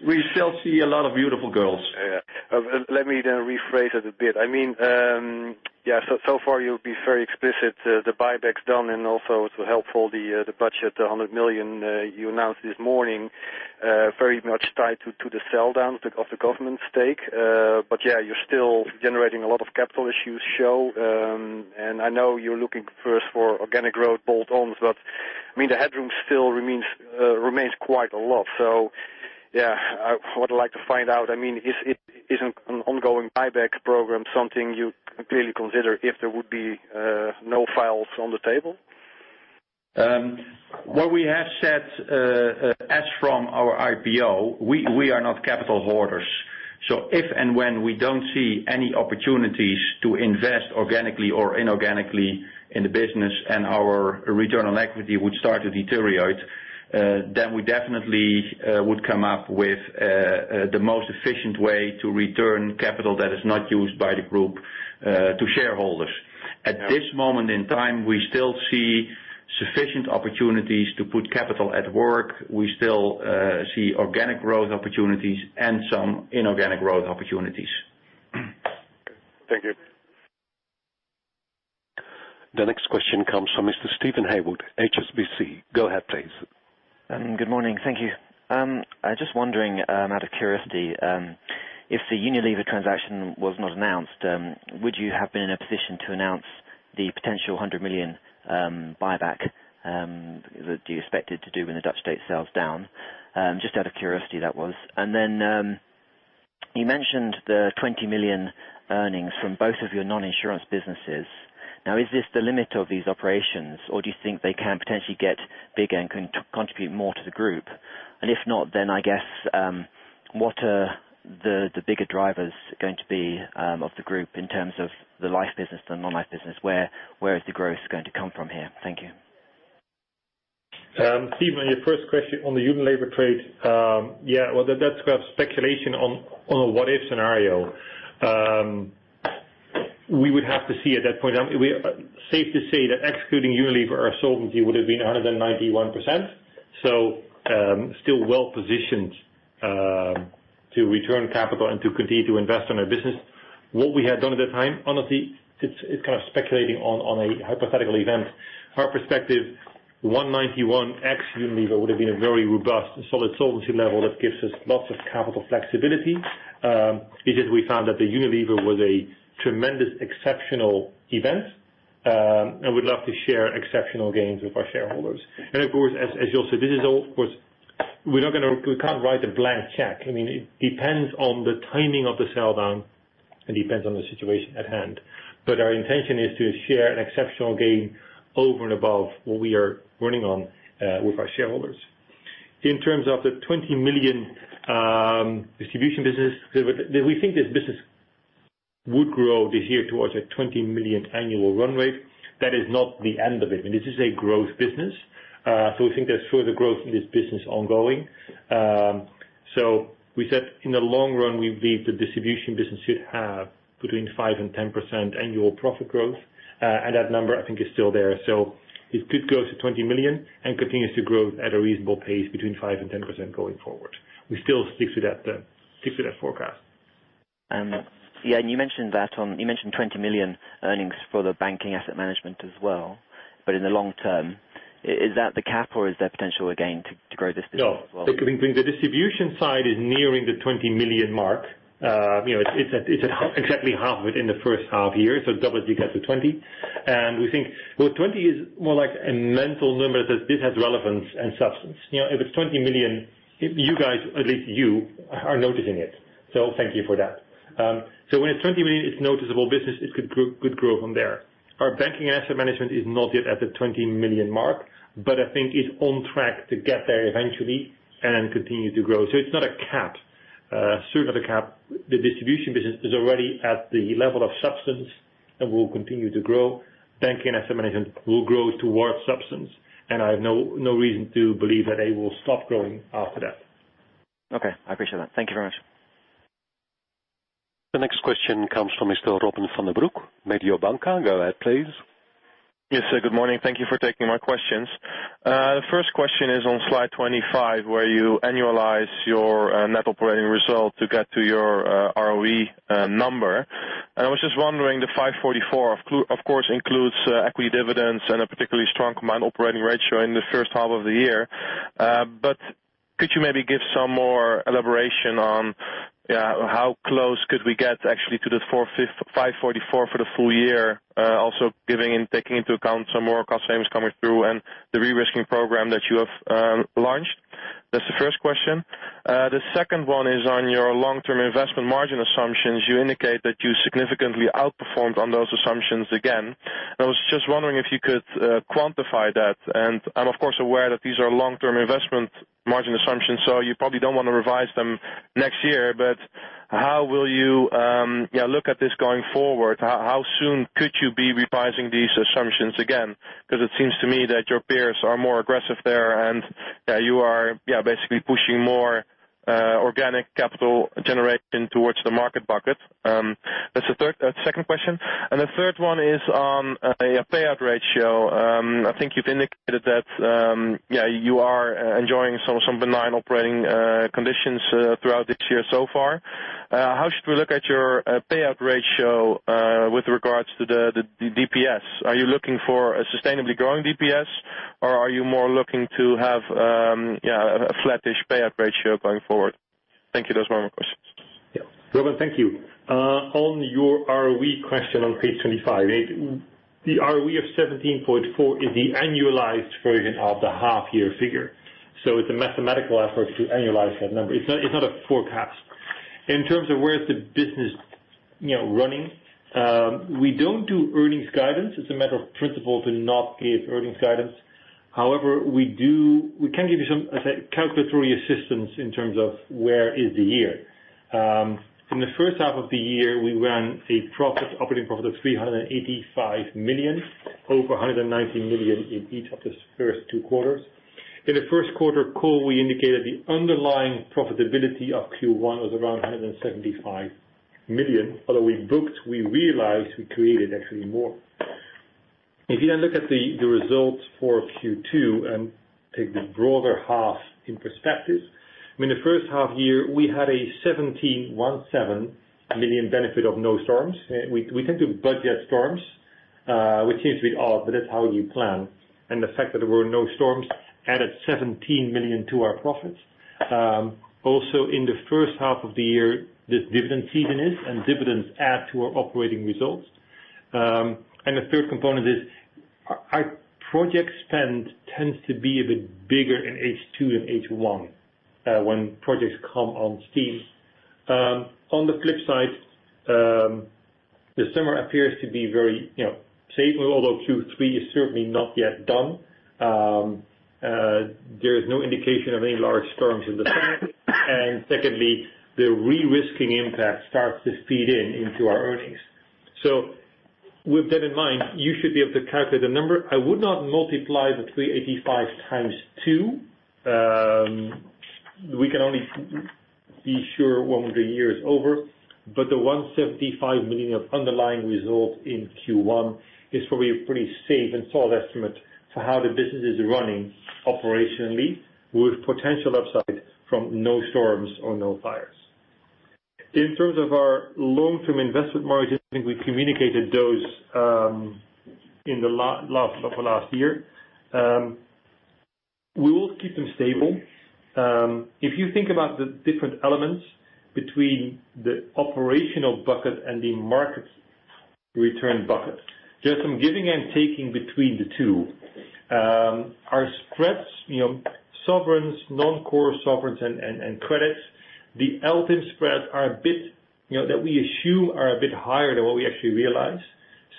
We still see a lot of beautiful girls. Let me then rephrase it a bit. You've been very explicit. The buyback's done and also to help for the budget, the 100 million you announced this morning, very much tied to the sell-down of the government stake. You're still generating a lot of capital, as you show, and I know you're looking first for organic growth bolt-ons, but the headroom still remains quite a lot. What I'd like to find out, is an ongoing buyback program something you clearly consider if there would be no files on the table? What we have said, as from our IPO, we are not capital hoarders. If and when we don't see any opportunities to invest organically or inorganically in the business and our return on equity would start to deteriorate, we definitely would come up with the most efficient way to return capital that is not used by the group to shareholders. Yeah. At this moment in time, we still see sufficient opportunities to put capital at work. We still see organic growth opportunities and some inorganic growth opportunities. Thank you. The next question comes from Mr. Steven Haywood, HSBC. Go ahead, please. Good morning. Thank you. I was just wondering, out of curiosity, if the Unilever transaction was not announced, would you have been in a position to announce the potential 100 million buyback that you expected to do when the Dutch state sells down? Just out of curiosity, that was. You mentioned the 20 million earnings from both of your non-insurance businesses. Is this the limit of these operations, or do you think they can potentially get bigger and contribute more to the group? If not, I guess what are the bigger drivers going to be of the group in terms of the life business, the non-life business? Where is the growth going to come from here? Thank you. Steven, your first question on the Unilever trade. Well, that's speculation on a what if scenario. We would have to see at that point. Safe to say that executing Unilever, our solvency would have been higher than 91%. Still well-positioned to return capital and to continue to invest in our business. What we had done at that time, honestly, it's speculating on a hypothetical event. Our perspective, 191% ex Unilever would have been a very robust and solid solvency level that gives us lots of capital flexibility. It is we found that the Unilever was a tremendous, exceptional event, and we'd love to share exceptional gains with our shareholders. Of course, as you'll see, we can't write a blank check. It depends on the timing of the sell-down and depends on the situation at hand. Our intention is to share an exceptional gain over and above what we are running on, with our shareholders. In terms of the 20 million distribution business, we think this business would grow this year towards a 20 million annual run rate. That is not the end of it. This is a growth business. We think there's further growth in this business ongoing. We said, in the long run, we believe the distribution business should have between 5% and 10% annual profit growth. That number, I think, is still there. It could grow to 20 million and continues to grow at a reasonable pace between 5% and 10% going forward. We still stick to that forecast. You mentioned 20 million earnings for the banking asset management as well. In the long term. Is that the cap or is there potential again to grow this business as well? No. The distribution side is nearing the 20 million mark. It's at exactly half within the first half year, so it doubles, you get to 20 million. We think, well, 20 million is more like a mental number that this has relevance and substance. If it's 20 million, you guys, at least you, are noticing it. Thank you for that. When it's 20 million, it's noticeable business, it could grow from there. Our banking asset management is not yet at the 20 million mark, but I think it's on track to get there eventually and continue to grow. It's not a cap. Certainly not a cap. The distribution business is already at the level of substance and will continue to grow. Banking asset management will grow towards substance, and I have no reason to believe that they will stop growing after that. Okay, I appreciate that. Thank you very much. The next question comes from Mr. Robin van den Broek, Mediobanca. Go ahead, please. Yes, sir. Good morning. Thank you for taking my questions. The first question is on slide 25, where you annualize your net operating result to get to your ROE number. I was just wondering, the 544, of course, includes equity dividends and a particularly strong combined operating ratio in the first half of the year. Could you maybe give some more elaboration on how close could we get actually to the 544 for the full year, also taking into account some more cost savings coming through and the de-risking program that you have launched? That's the first question. The second one is on your long-term investment margin assumptions. You indicate that you significantly outperformed on those assumptions again. I was just wondering if you could quantify that. I'm of course aware that these are long-term investment margin assumptions, you probably don't want to revise them next year. How will you look at this going forward? How soon could you be revising these assumptions again? It seems to me that your peers are more aggressive there, and that you are basically pushing more organic capital generation towards the market bucket. That's the second question. The third one is on a payout ratio. I think you've indicated that you are enjoying some benign operating conditions throughout this year so far. How should we look at your payout ratio with regards to the DPS? Are you looking for a sustainably growing DPS or are you more looking to have a flattish payout ratio going forward? Thank you. Those are my questions. Yeah. Robin, thank you. On your ROE question on page 25. The ROE of 17.4% is the annualized version of the half-year figure. It's a mathematical effort to annualize that number. It's not a forecast. In terms of where is the business running. We don't do earnings guidance. It's a matter of principle to not give earnings guidance. However, we can give you some calculatory assistance in terms of where is the year. From the first half of the year, we ran an operating profit of 385 million, over 190 million in each of the first two quarters. In the first quarter call, we indicated the underlying profitability of Q1 was around 175 million, although we booked, we realized we created actually more. If you look at the results for Q2 and take the broader half in perspective. In the first half-year, we had a 17.17 million benefit of no storms. We tend to budget storms, which seems to be odd, That's how you plan. The fact that there were no storms added 17 million to our profits. Also in the first half of the year, Dividends add to our operating results. The third component is our project spend tends to be a bit bigger in H2 than H1, when projects come on steam. On the flip side, the summer appears to be very safe, although Q3 is certainly not yet done. There is no indication of any large storms in the plan. Secondly, the de-risking impact starts to feed in into our earnings. With that in mind, you should be able to calculate the number. I would not multiply the 385 times two. We can only be sure when the year is over. The 175 million of underlying result in Q1 is probably a pretty safe and solid estimate for how the business is running operationally, with potential upside from no storms or no fires. In terms of our long-term investment margins, I think we communicated those in the bulk of last year. We will keep them stable. If you think about the different elements between the operational bucket and the market return bucket, there's some giving and taking between the two. Our spreads, sovereigns, non-core sovereigns and credits, the LT spreads, that we assume are a bit higher than what we actually realize.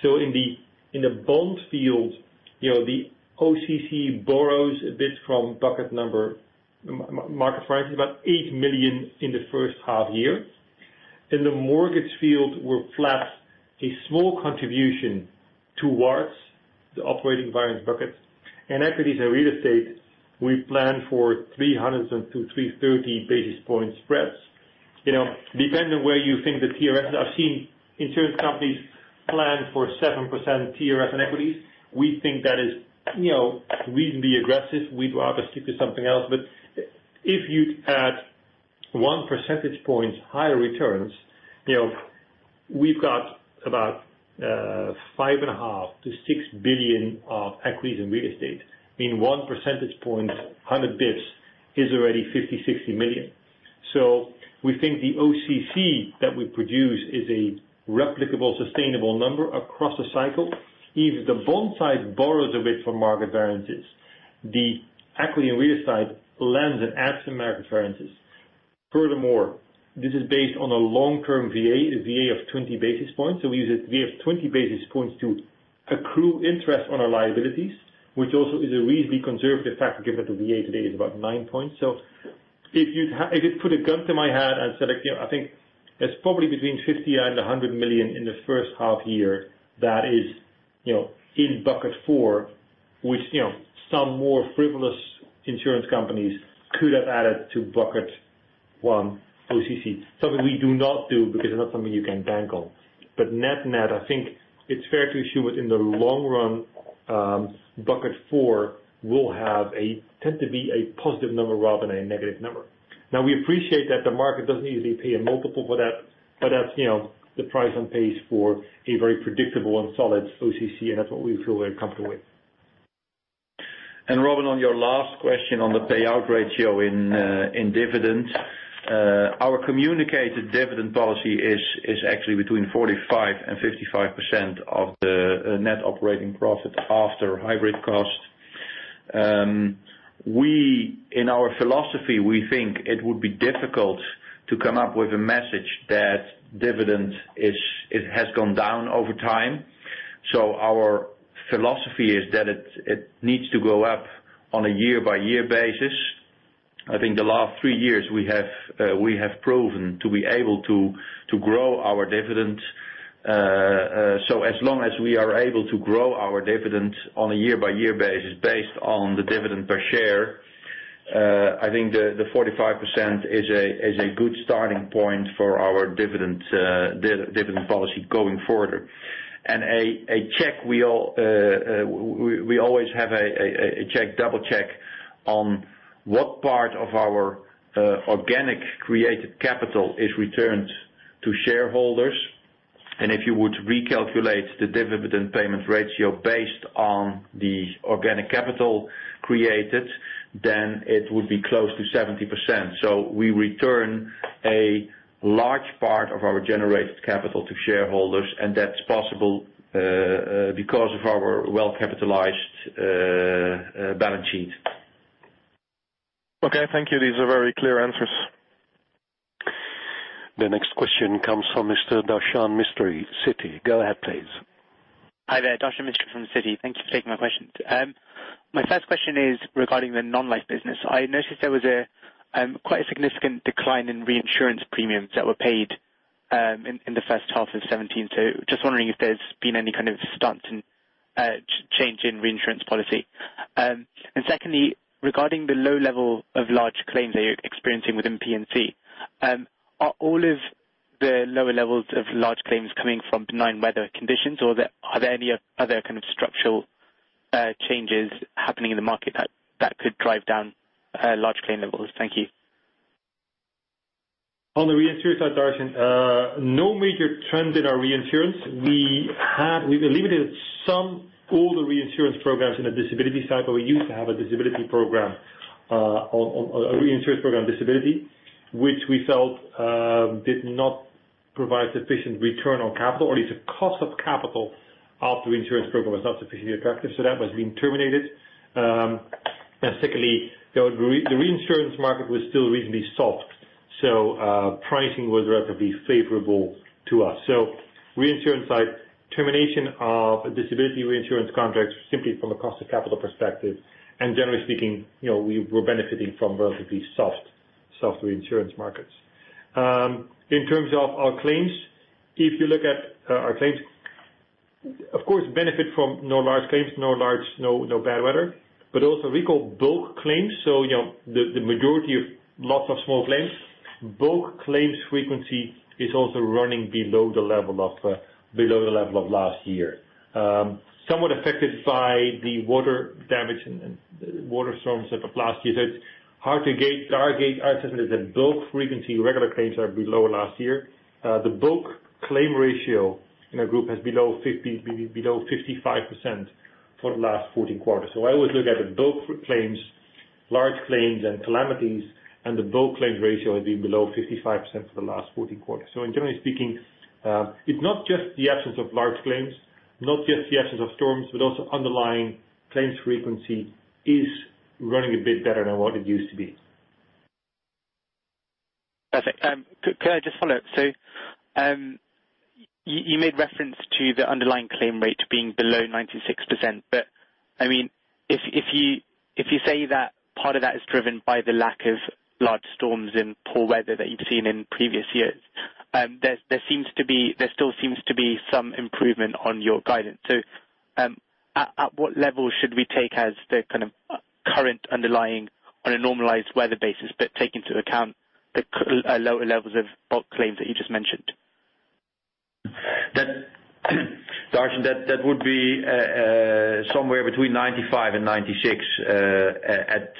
In the bond field, the OCC borrows a bit from Market variance is about 8 million in the first half-year. In the mortgage field, we're flat. A small contribution towards the operating variance buckets. Equities and real estate, we plan for 300-330 basis point spreads. Depending where you think the TRS. I've seen insurance companies plan for 7% TRS in equities. We think that is reasonably aggressive. We'd rather stick to something else. If you add one percentage point higher returns, we've got about 5.5 billion-6 billion of equities and real estate. Meaning one percentage point, 100 basis points, is already 50 million-60 million. We think the OCC that we produce is a replicable, sustainable number across the cycle. If the bond side borrows a bit from market variances, the equity and real side lends and adds some market variances. Furthermore, this is based on a long-term VA, a VA of 20 basis points. We use a VA of 20 basis points to accrue interest on our liabilities, which also is a reasonably conservative factor, given the VA today is about nine points. If you put a gun to my head and said, I think it's probably between 50 million-100 million in the first half-year that is in bucket 4, which some more frivolous insurance companies could have added to bucket 1 OCC. Something we do not do because they're not something you can bank on. Net-net, I think it's fair to assume within the long run, bucket 4 will tend to be a positive number rather than a negative number. Now, we appreciate that the market doesn't easily pay a multiple for that, That's the price on pace for a very predictable and solid OCC, That's what we feel very comfortable with. Robin, on your last question on the payout ratio in dividends, our communicated dividend policy is actually between 45%-55% of the net operating profit after hybrid cost. In our philosophy, we think it would be difficult to come up with a message that dividend, it has gone down over time. Our philosophy is that it needs to go up on a year-by-year basis. I think the last three years we have proven to be able to grow our dividend. As long as we are able to grow our dividend on a year-by-year basis based on the dividend per share, I think the 45% is a good starting point for our dividend policy going forward. We always have a double-check on what part of our organic created capital is returned to shareholders. If you would recalculate the dividend payment ratio based on the organic capital created, it would be close to 70%. We return a large part of our generated capital to shareholders, that's possible because of our well-capitalized balance sheet. Okay, thank you. These are very clear answers. The next question comes from Mr. Darshan Mistry, Citi. Go ahead, please. Hi there. Darshan Mistry from Citi. Thank you for taking my questions. My first question is regarding the non-life business. I noticed there was quite a significant decline in reinsurance premiums that were paid in H1 2017. Just wondering if there's been any kind of sudden change in reinsurance policy. Secondly, regarding the low level of large claims that you're experiencing within P&C, are all of the lower levels of large claims coming from benign weather conditions, or are there any other kind of structural changes happening in the market that could drive down large claim levels? Thank you. On the reinsurance side, Darshan, no major trends in our reinsurance. We've eliminated some older reinsurance programs in the disability side, but we used to have a reinsurance program disability, which we felt did not provide sufficient return on capital or at least the cost of capital of reinsurance program was not sufficiently attractive. That has been terminated. Secondly, the reinsurance market was still reasonably soft, pricing was relatively favorable to us. Reinsurance side, termination of disability reinsurance contracts simply from a cost of capital perspective. Generally speaking, we were benefiting from relatively soft reinsurance markets. In terms of our claims, if you look at our claims, of course, benefit from no large claims, no bad weather, but also we call bulk claims. The majority of lots of small claims. Bulk claims frequency is also running below the level of last year. Somewhat affected by the water damage and water storms of last year. It's hard to gauge. Our assessment is that bulk frequency regular claims are below last year. The bulk claim ratio in our group is below 55% for the last 14 quarters. I always look at the bulk claims, large claims, and calamities, the bulk claims ratio has been below 55% for the last 14 quarters. Generally speaking, it's not just the absence of large claims, not just the absence of storms, but also underlying claims frequency is running a bit better than what it used to be. Perfect. Could I just follow up? You made reference to the underlying claim rate being below 96%, but if you say that part of that is driven by the lack of large storms and poor weather that you've seen in previous years, there still seems to be some improvement on your guidance. At what level should we take as the current underlying on a normalized weather basis, but take into account the lower levels of bulk claims that you just mentioned? Darshan, that would be somewhere between 95 and 96 at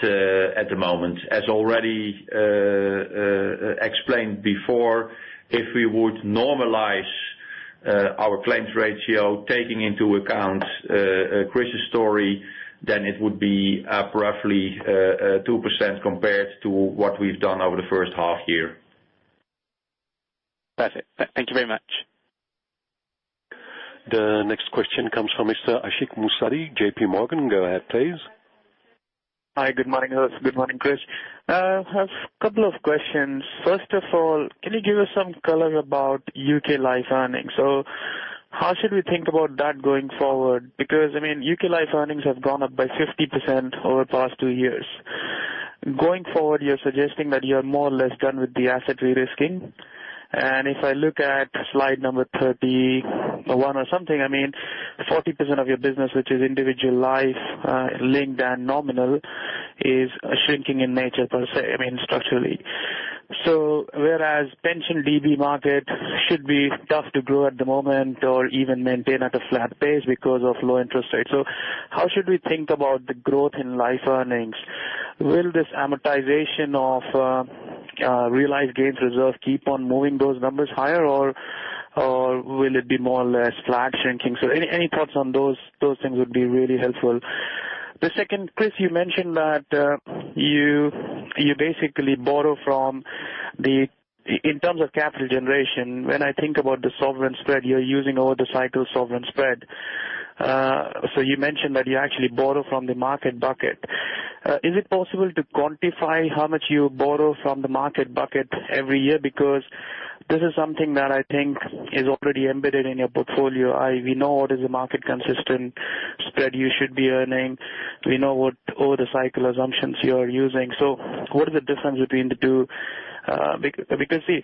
the moment. As already explained before, if we would normalize our claims ratio, taking into account Chris's story, then it would be up roughly 2% compared to what we've done over the first half year. Perfect. Thank you very much. The next question comes from Mr. Ashik Musaddi, JPMorgan. Go ahead, please. Hi, good morning, Jos. Good morning, Chris. I have a couple of questions. First of all, can you give us some color about U.K. Life earnings? How should we think about that going forward? U.K. Life earnings have gone up by 50% over the past two years. Going forward, you're suggesting that you're more or less done with the asset risk risk-taking. And if I look at slide number 31 or something, 40% of your business, which is individual life linked and nominal, is shrinking in nature per se, structurally. Whereas pension DB market should be tough to grow at the moment or even maintain at a flat pace because of low interest rates. How should we think about the growth in life earnings? Will this amortization of realized gains reserve keep on moving those numbers higher or will it be more or less flat shrinking? Any thoughts on those things would be really helpful. The second, Chris, you mentioned that you basically borrow from the In terms of capital generation, when I think about the sovereign spread you're using over the cycle sovereign spread. You mentioned that you actually borrow from the market bucket. Is it possible to quantify how much you borrow from the market bucket every year? Because this is something that I think is already embedded in your portfolio. We know what is the market consistent spread you should be earning. We know what over the cycle assumptions you're using. What is the difference between the two? Because see,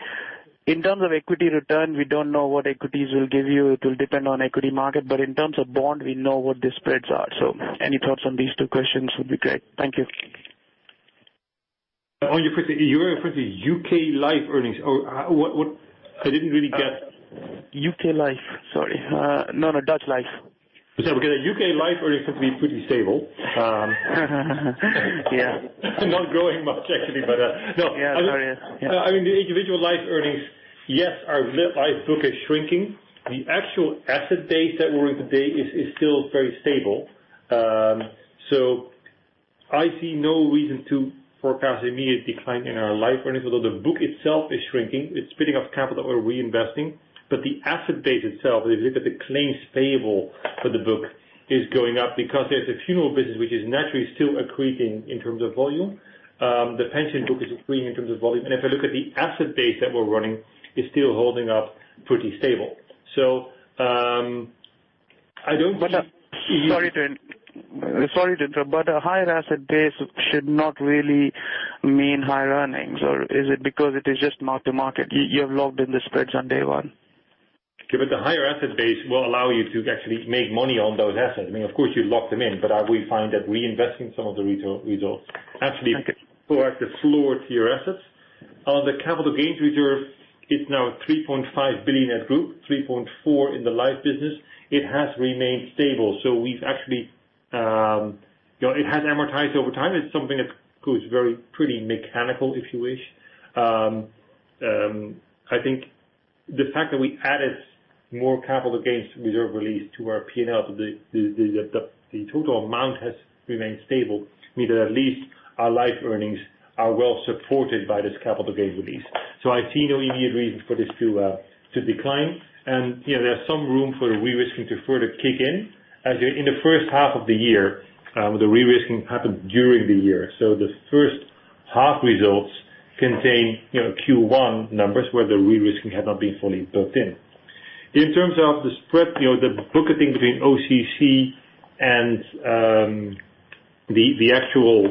in terms of equity return, we don't know what equities will give you. It will depend on equity market, but in terms of bond, we know what the spreads are. Any thoughts on these two questions would be great. Thank you. On your question, you referred to UK Life earnings. I didn't really get. UK Life, sorry. No, Dutch Life. UK Life earnings have been pretty stable. Yeah. Not growing much, actually. Yeah, sorry. The individual life earnings, yes, our life book is shrinking. The actual asset base that we're in today is still very stable. I see no reason to forecast immediate decline in our life earnings, although the book itself is shrinking. It's spitting off capital that we're reinvesting, but the asset base itself, if you look at the claims payable for the book, is going up because there's a funeral business which is naturally still accreting in terms of volume. The pension book is accreting in terms of volume. If I look at the asset base that we're running, it's still holding up pretty stable. Sorry to interrupt, a higher asset base should not really mean higher earnings. Is it because it is just mark to market, you have locked in the spreads on day one? Given the higher asset base will allow you to actually make money on those assets. Of course, you lock them in, we find that reinvesting some of the results actually can provide the floor to your assets. The capital gains reserve is now 3.5 billion at group, 3.4 billion in the life business. It has remained stable. It has amortized over time. It's something that goes very pretty mechanical, if you wish. I think the fact that we added more capital gains reserve release to our P&L, the total amount has remained stable, means that at least our life earnings are well supported by this capital gain release. I see no immediate reasons for this to decline. There's some room for the risk-taking to further kick in. In the first half of the year, the risk-taking happened during the year. The first half results contain Q1 numbers where the risk-taking had not been fully booked in. In terms of the spread, the bucketing between OCC and the actual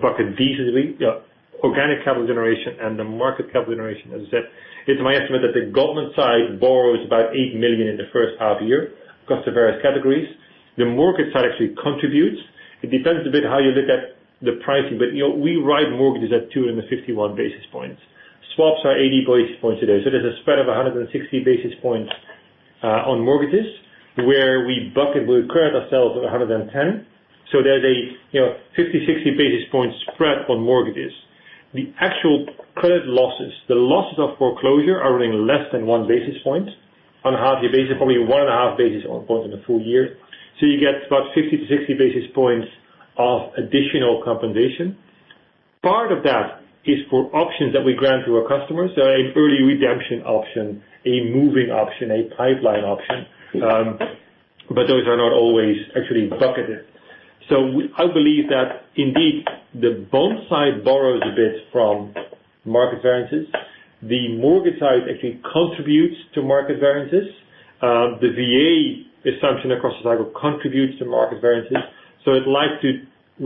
bucket decently, organic capital generation and the market capital generation, as I said, it's my estimate that the government side borrows about 8 million in the first half year across the various categories. The mortgage side actually contributes. It depends a bit how you look at the pricing, we write mortgages at 251 basis points. Swaps are 80 basis points a day. There's a spread of 160 basis points on mortgages where we bucket, we credit ourselves 110 basis points. There's a 50-60 basis point spread on mortgages. The actual credit losses, the losses of foreclosure are running less than one basis point on a half-year basis, probably one and a half basis points on a full year. You get about 50-60 basis points of additional compensation. Part of that is for options that we grant to our customers, so an early redemption option, a moving option, a pipeline option. Those are not always actually bucketed. I believe that indeed, the bond side borrows a bit from market variances. The mortgage side actually contributes to market variances. The VA assumption across the cycle contributes to market variances. We're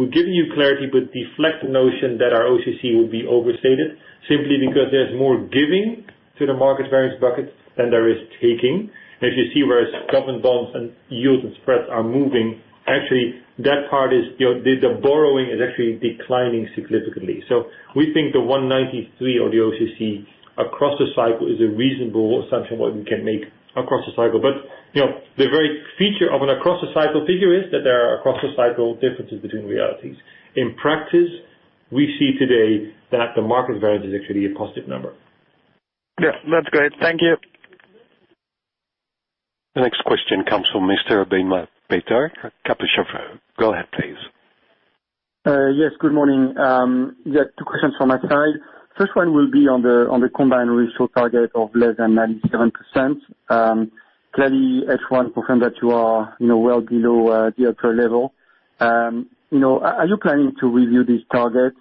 giving you clarity, deflect the notion that our OCC will be overstated simply because there's more giving to the market variance buckets than there is taking. You see, whereas government bonds and yields and spreads are moving, actually, that part, the borrowing is actually declining significantly. We think the 193 of the OCC across the cycle is a reasonable assumption what we can make across the cycle. The very feature of an across-the-cycle figure is that there are across-the-cycle differences between realities. In practice, we see today that the market variance is actually a positive number. That's great. Thank you. The next question comes from Mr. Benoit Petrarque, Kepler Cheuvreux. Go ahead, please. Yes, good morning. Two questions from my side. First one will be on the combined ratio target of less than 97%. Clearly, H1 confirm that you are well below the actual level. Are you planning to review these targets?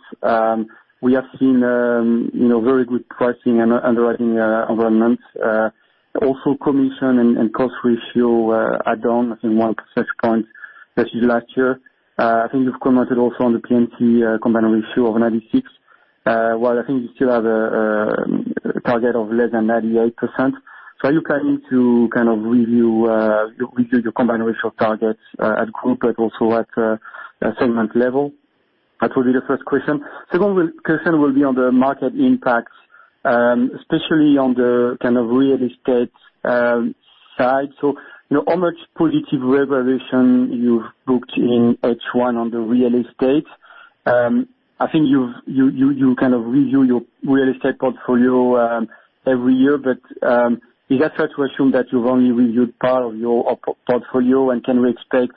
We have seen very good pricing and underwriting environments. Also commission and cost ratio add on, I think one percentage point versus last year. I think you've commented also on the P&C combined ratio of 96, while I think you still have a target of less than 98%. Are you planning to review your combined ratio targets at group but also at a segment level? That will be the first question. Second question will be on the market impacts, especially on the real estate side. How much positive revaluation you've booked in H1 on the real estate? I think you review your real estate portfolio every year, is that fair to assume that you've only reviewed part of your portfolio? Can we expect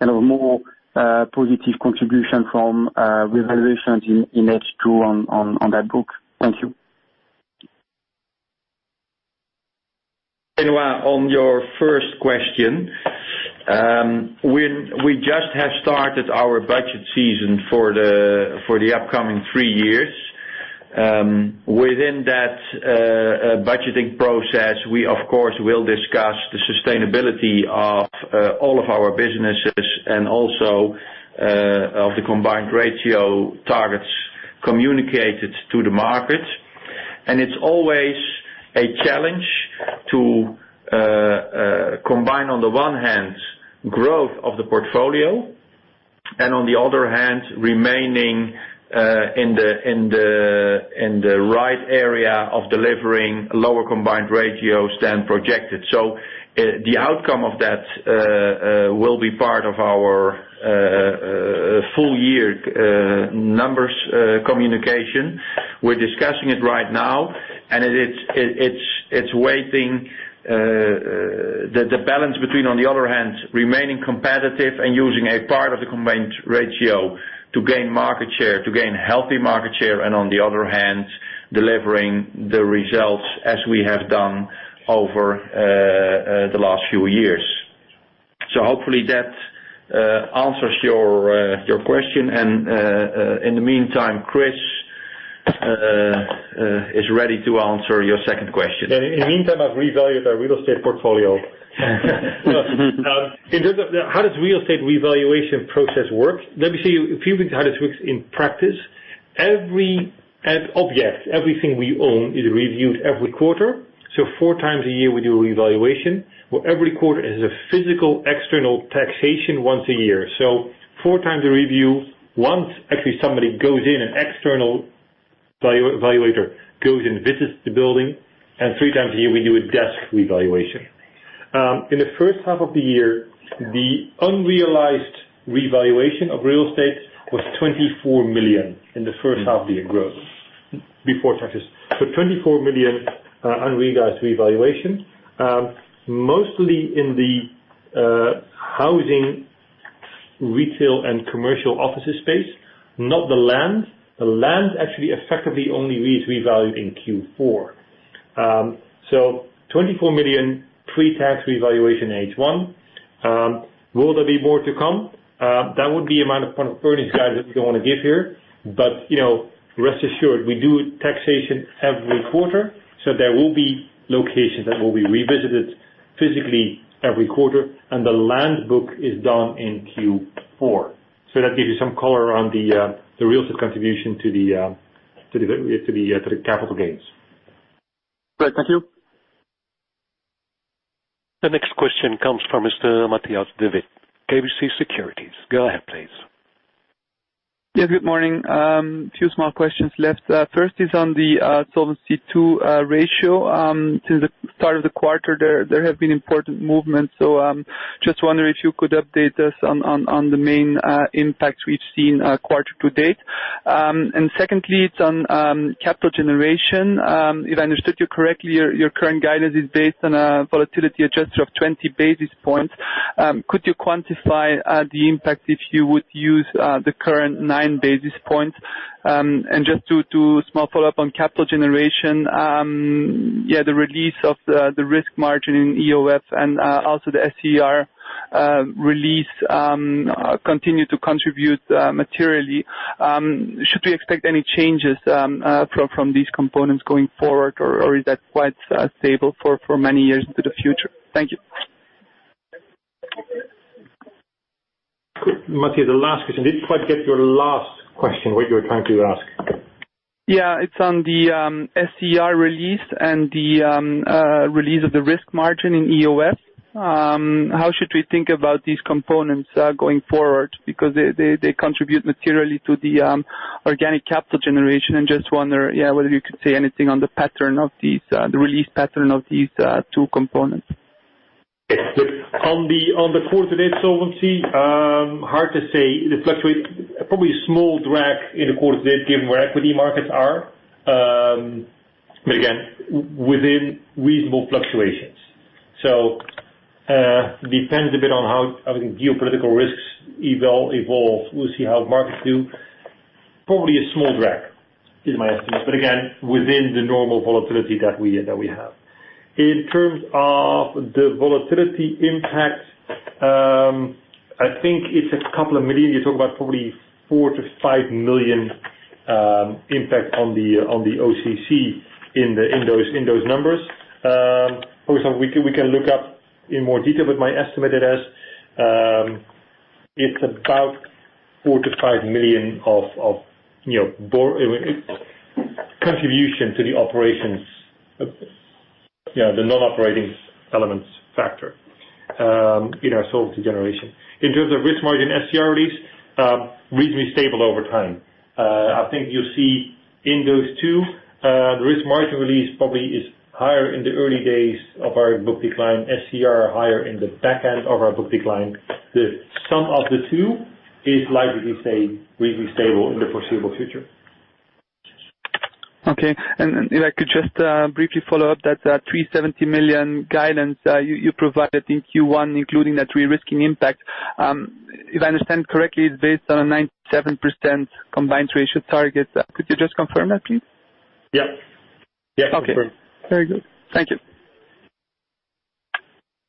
more positive contribution from revaluations in H2 on that book? Thank you. Benoit, on your first question. We just have started our budget season for the upcoming 3 years. Within that budgeting process, we of course, will discuss the sustainability of all of our businesses and also of the combined ratio targets communicated to the market. It's always a challenge to combine, on the one hand, growth of the portfolio, and on the other hand, remaining in the right area of delivering lower combined ratios than projected. The outcome of that will be part of our full-year numbers communication. We're discussing it right now, and it's weighting the balance between, on the other hand, remaining competitive and using a part of the combined ratio to gain market share, to gain healthy market share, and on the other hand, delivering the results as we have done over the last few years. Hopefully that answers your question. In the meantime, Chris is ready to answer your second question. In the meantime, I've revalued our real estate portfolio. In terms of how does real estate revaluation process work, let me show you a few bits how this works in practice. Every object, everything we own is reviewed every quarter. Four times a year we do a revaluation, where every quarter has a physical external taxation once a year. Four times a review. Once, actually somebody goes in, an external evaluator goes and visits the building, and 3 times a year we do a desk revaluation. In the first half of the year, the unrealized revaluation of real estate was 24 million in the first half year growth before taxes. 24 million unrealized revaluation, mostly in the housing, retail, and commercial offices space, not the land. The land actually effectively only needs revalued in Q4. EUR 24 million pre-tax revaluation in H1. Will there be more to come? That would be amount of earnings guide that we don't want to give here. Rest assured, we do taxation every quarter. There will be locations that will be revisited physically every quarter, and the land book is done in Q4. That gives you some color on the real estate contribution to the capital gains. Great. Thank you. The next question comes from Mr. Matthias De Wit, KBC Securities. Go ahead, please. Good morning. A few small questions left. First is on the Solvency II ratio. Since the start of the quarter, there have been important movements. Just wondering if you could update us on the main impacts we've seen quarter to date. Secondly, it's on capital generation. If I understood you correctly, your current guidance is based on a volatility adjuster of 20 basis points. Could you quantify the impact if you would use the current nine basis points? Just two small follow-up on capital generation. The release of the risk margin in EOF and also the SCR release continue to contribute materially. Should we expect any changes from these components going forward, or is that quite stable for many years into the future? Thank you. Matthias, the last question. Didn't quite get your last question, what you were trying to ask. It's on the SCR release and the release of the risk margin in EOF. How should we think about these components going forward? They contribute materially to the organic capital generation, just wonder whether you could say anything on the release pattern of these two components. On the quarter to date solvency, hard to say. Probably a small drag in the quarter to date, given where equity markets are. Again, within reasonable fluctuations. Depends a bit on how geopolitical risks evolve. We will see how markets do. Probably a small drag is my estimate. Again, within the normal volatility that we have. In terms of the volatility impact, I think it is a couple of million. You are talking about probably 4 million-5 million impact on the OCC in those numbers. For example, we can look up in more detail what my estimate it as. It is about 4 million-5 million of contribution to the operations, the non-operating elements factor in our solvency generation. In terms of risk margin SCR release, reasonably stable over time. I think you will see in those two, the risk margin release probably is higher in the early days of our book decline, SCR higher in the back end of our book decline. The sum of the two is likely to stay reasonably stable in the foreseeable future. Okay. If I could just briefly follow up that 370 million guidance you provided in Q1, including that re-risking impact. If I understand correctly, it is based on a 97% combined ratio target. Could you just confirm that, please? Yeah. Okay. Confirm. Very good. Thank you.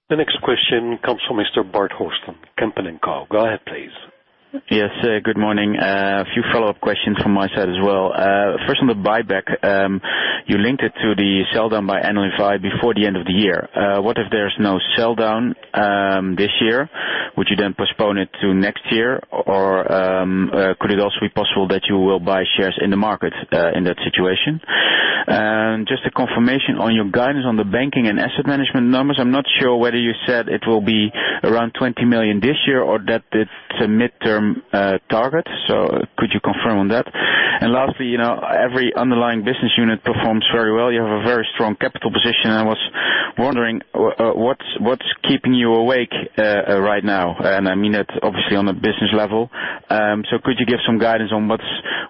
The next question comes from Mr. Bart Horsten, Kempen & Co. Go ahead, please. Yes. Good morning. A few follow-up questions from my side as well. First on the buyback. You linked it to the sell-down by NLFI before the end of the year. What if there's no sell-down this year? Would you then postpone it to next year, or could it also be possible that you will buy shares in the market in that situation? Just a confirmation on your guidance on the banking and asset management numbers. I'm not sure whether you said it will be around 20 million this year or that it's a midterm target. Could you confirm on that? Lastly, every underlying business unit performs very well. You have a very strong capital position, and I was wondering what's keeping you awake right now, and I mean that obviously on a business level. Could you give some guidance on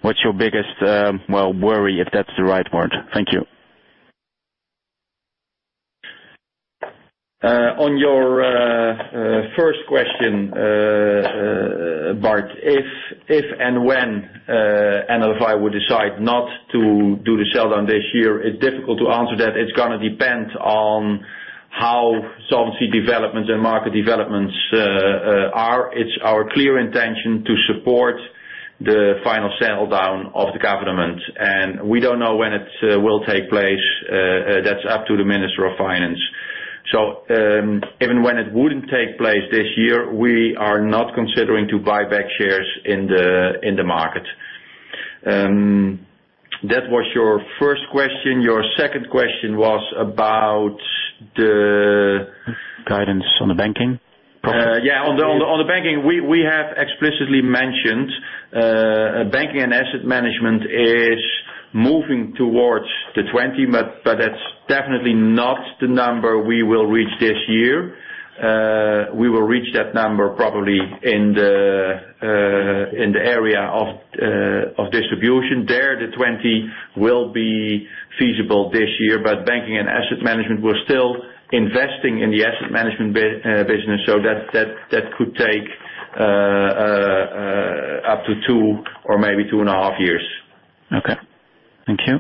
what's your biggest, well, worry, if that's the right word. Thank you. On your first question, Bart, if and when NLFI would decide not to do the sell-down this year, it's difficult to answer that. It's going to depend on how solvency developments and market developments are. It's our clear intention to support the final sell-down of the government, we don't know when it will take place. That's up to the Minister of Finance. Even when it wouldn't take place this year, we are not considering to buy back shares in the market. That was your first question. Your second question was about the Guidance on the banking Yeah. On the banking, we have explicitly mentioned banking and asset management is moving towards the 20, but that's definitely not the number we will reach this year. We will reach that number probably in the area of distribution. There, the 20 will be feasible this year. Banking and asset management, we're still investing in the asset management business, so that could take up to two or maybe two and a half years. Okay. Thank you.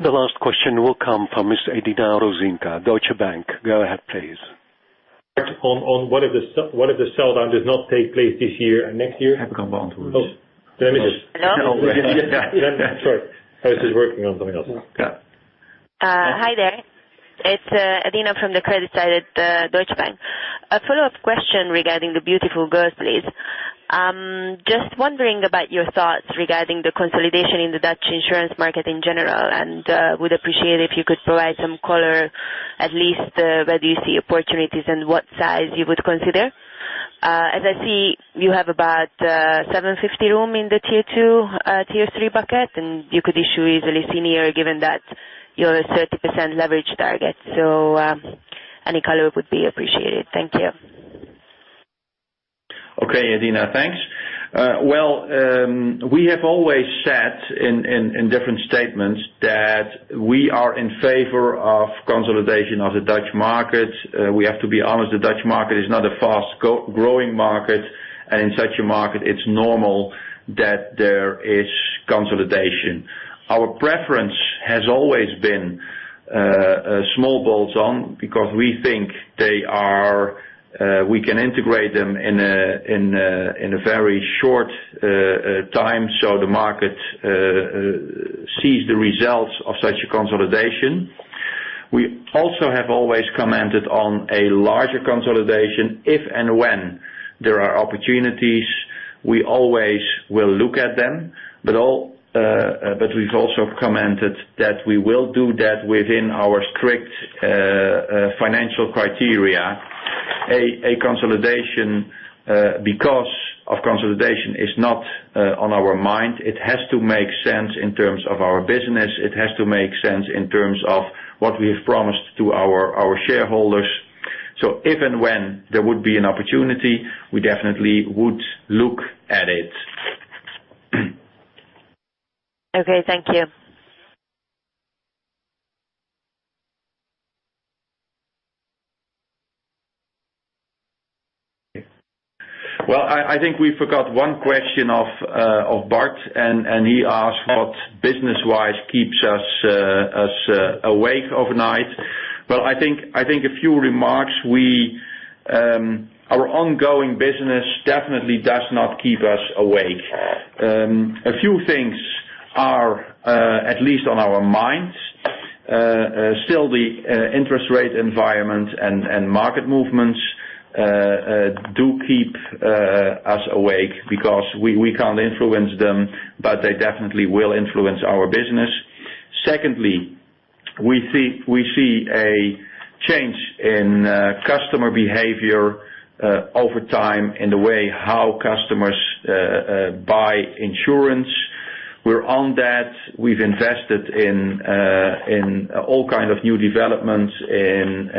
The last question will come from Miss Farquhar Ogilvie, Deutsche Bank. Go ahead, please. On what if the sell-down does not take place this year and next year? Have come down to us. Oh, let me. Hello? Sorry. I was just working on something else. Okay. Hi there. It's Adina from the credit side at Deutsche Bank. A follow-up question regarding the beautiful girls, please. Just wondering about your thoughts regarding the consolidation in the Dutch insurance market in general, and would appreciate if you could provide some color, at least where do you see opportunities and what size you would consider. As I see, you have about 750 room in the tier 2, tier 3 bucket, and you could issue easily senior given that your 30% leverage target. Any color would be appreciated. Thank you. Okay, Adina. Thanks. We have always said in different statements that we are in favor of consolidation of the Dutch market. We have to be honest, the Dutch market is not a fast-growing market, and in such a market, it's normal that there is consolidation. Our preference has always been small bolts-on because we think we can integrate them in a very short time, so the market sees the results of such a consolidation. We also have always commented on a larger consolidation. If and when there are opportunities, we always will look at them. We've also commented that we will do that within our strict financial criteria. A consolidation because of consolidation is not on our mind. It has to make sense in terms of our business. It has to make sense in terms of what we have promised to our shareholders. If and when there would be an opportunity, we definitely would look at it. Okay. Thank you. Well, I think we forgot one question of Bart, he asked what business-wise keeps us awake overnight. Well, I think a few remarks. Our ongoing business definitely does not keep us awake. A few things are at least on our minds. The interest rate environment and market movements do keep us awake because we can't influence them, they definitely will influence our business. Secondly, we see a change in customer behavior over time in the way how customers buy insurance. We're on that. We've invested in all kind of new developments in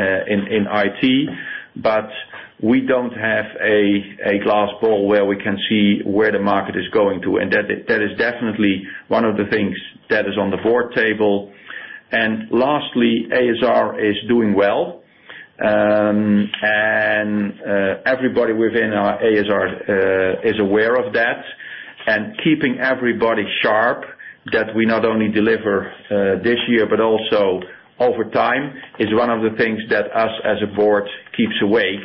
IT, we don't have a glass ball where we can see where the market is going to, that is definitely one of the things that is on the board table. Lastly, ASR is doing well. Everybody within ASR is aware of that. Keeping everybody sharp that we not only deliver this year also over time is one of the things that us as a board keeps awake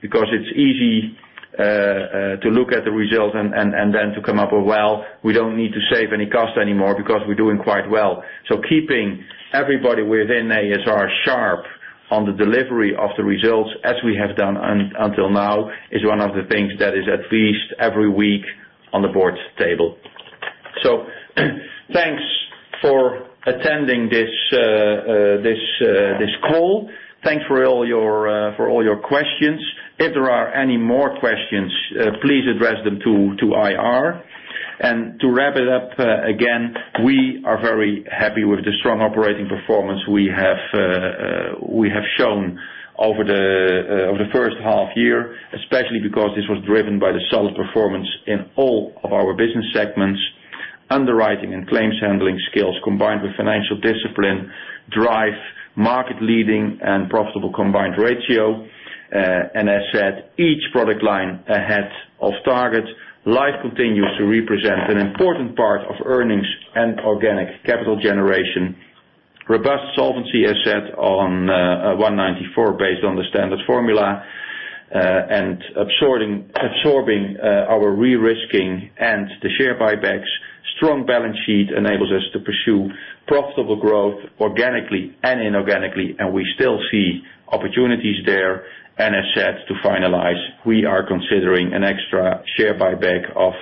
because it's easy to look at the results then to come up with, "Well, we don't need to save any cost anymore because we're doing quite well." Keeping everybody within ASR sharp on the delivery of the results as we have done until now is one of the things that is at least every week on the board's table. Thanks for attending this call. Thanks for all your questions. If there are any more questions, please address them to IR. To wrap it up, again, we are very happy with the strong operating performance we have shown over the first half year, especially because this was driven by the solid performance in all of our business segments. Underwriting and claims handling skills combined with financial discipline drive market-leading and profitable combined ratio. I said each product line ahead of target. Life continues to represent an important part of earnings and organic capital generation. Robust solvency as said on 194% based on the standard formula, absorbing our re-risking and the share buybacks. Strong balance sheet enables us to pursue profitable growth organically inorganically, we still see opportunities there. As said, to finalize, we are considering an extra share buyback of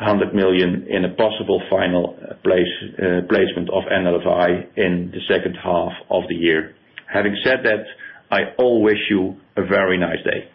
100 million in a possible final placement of NLFI in the second half of the year. Having said that, I all wish you a very nice day.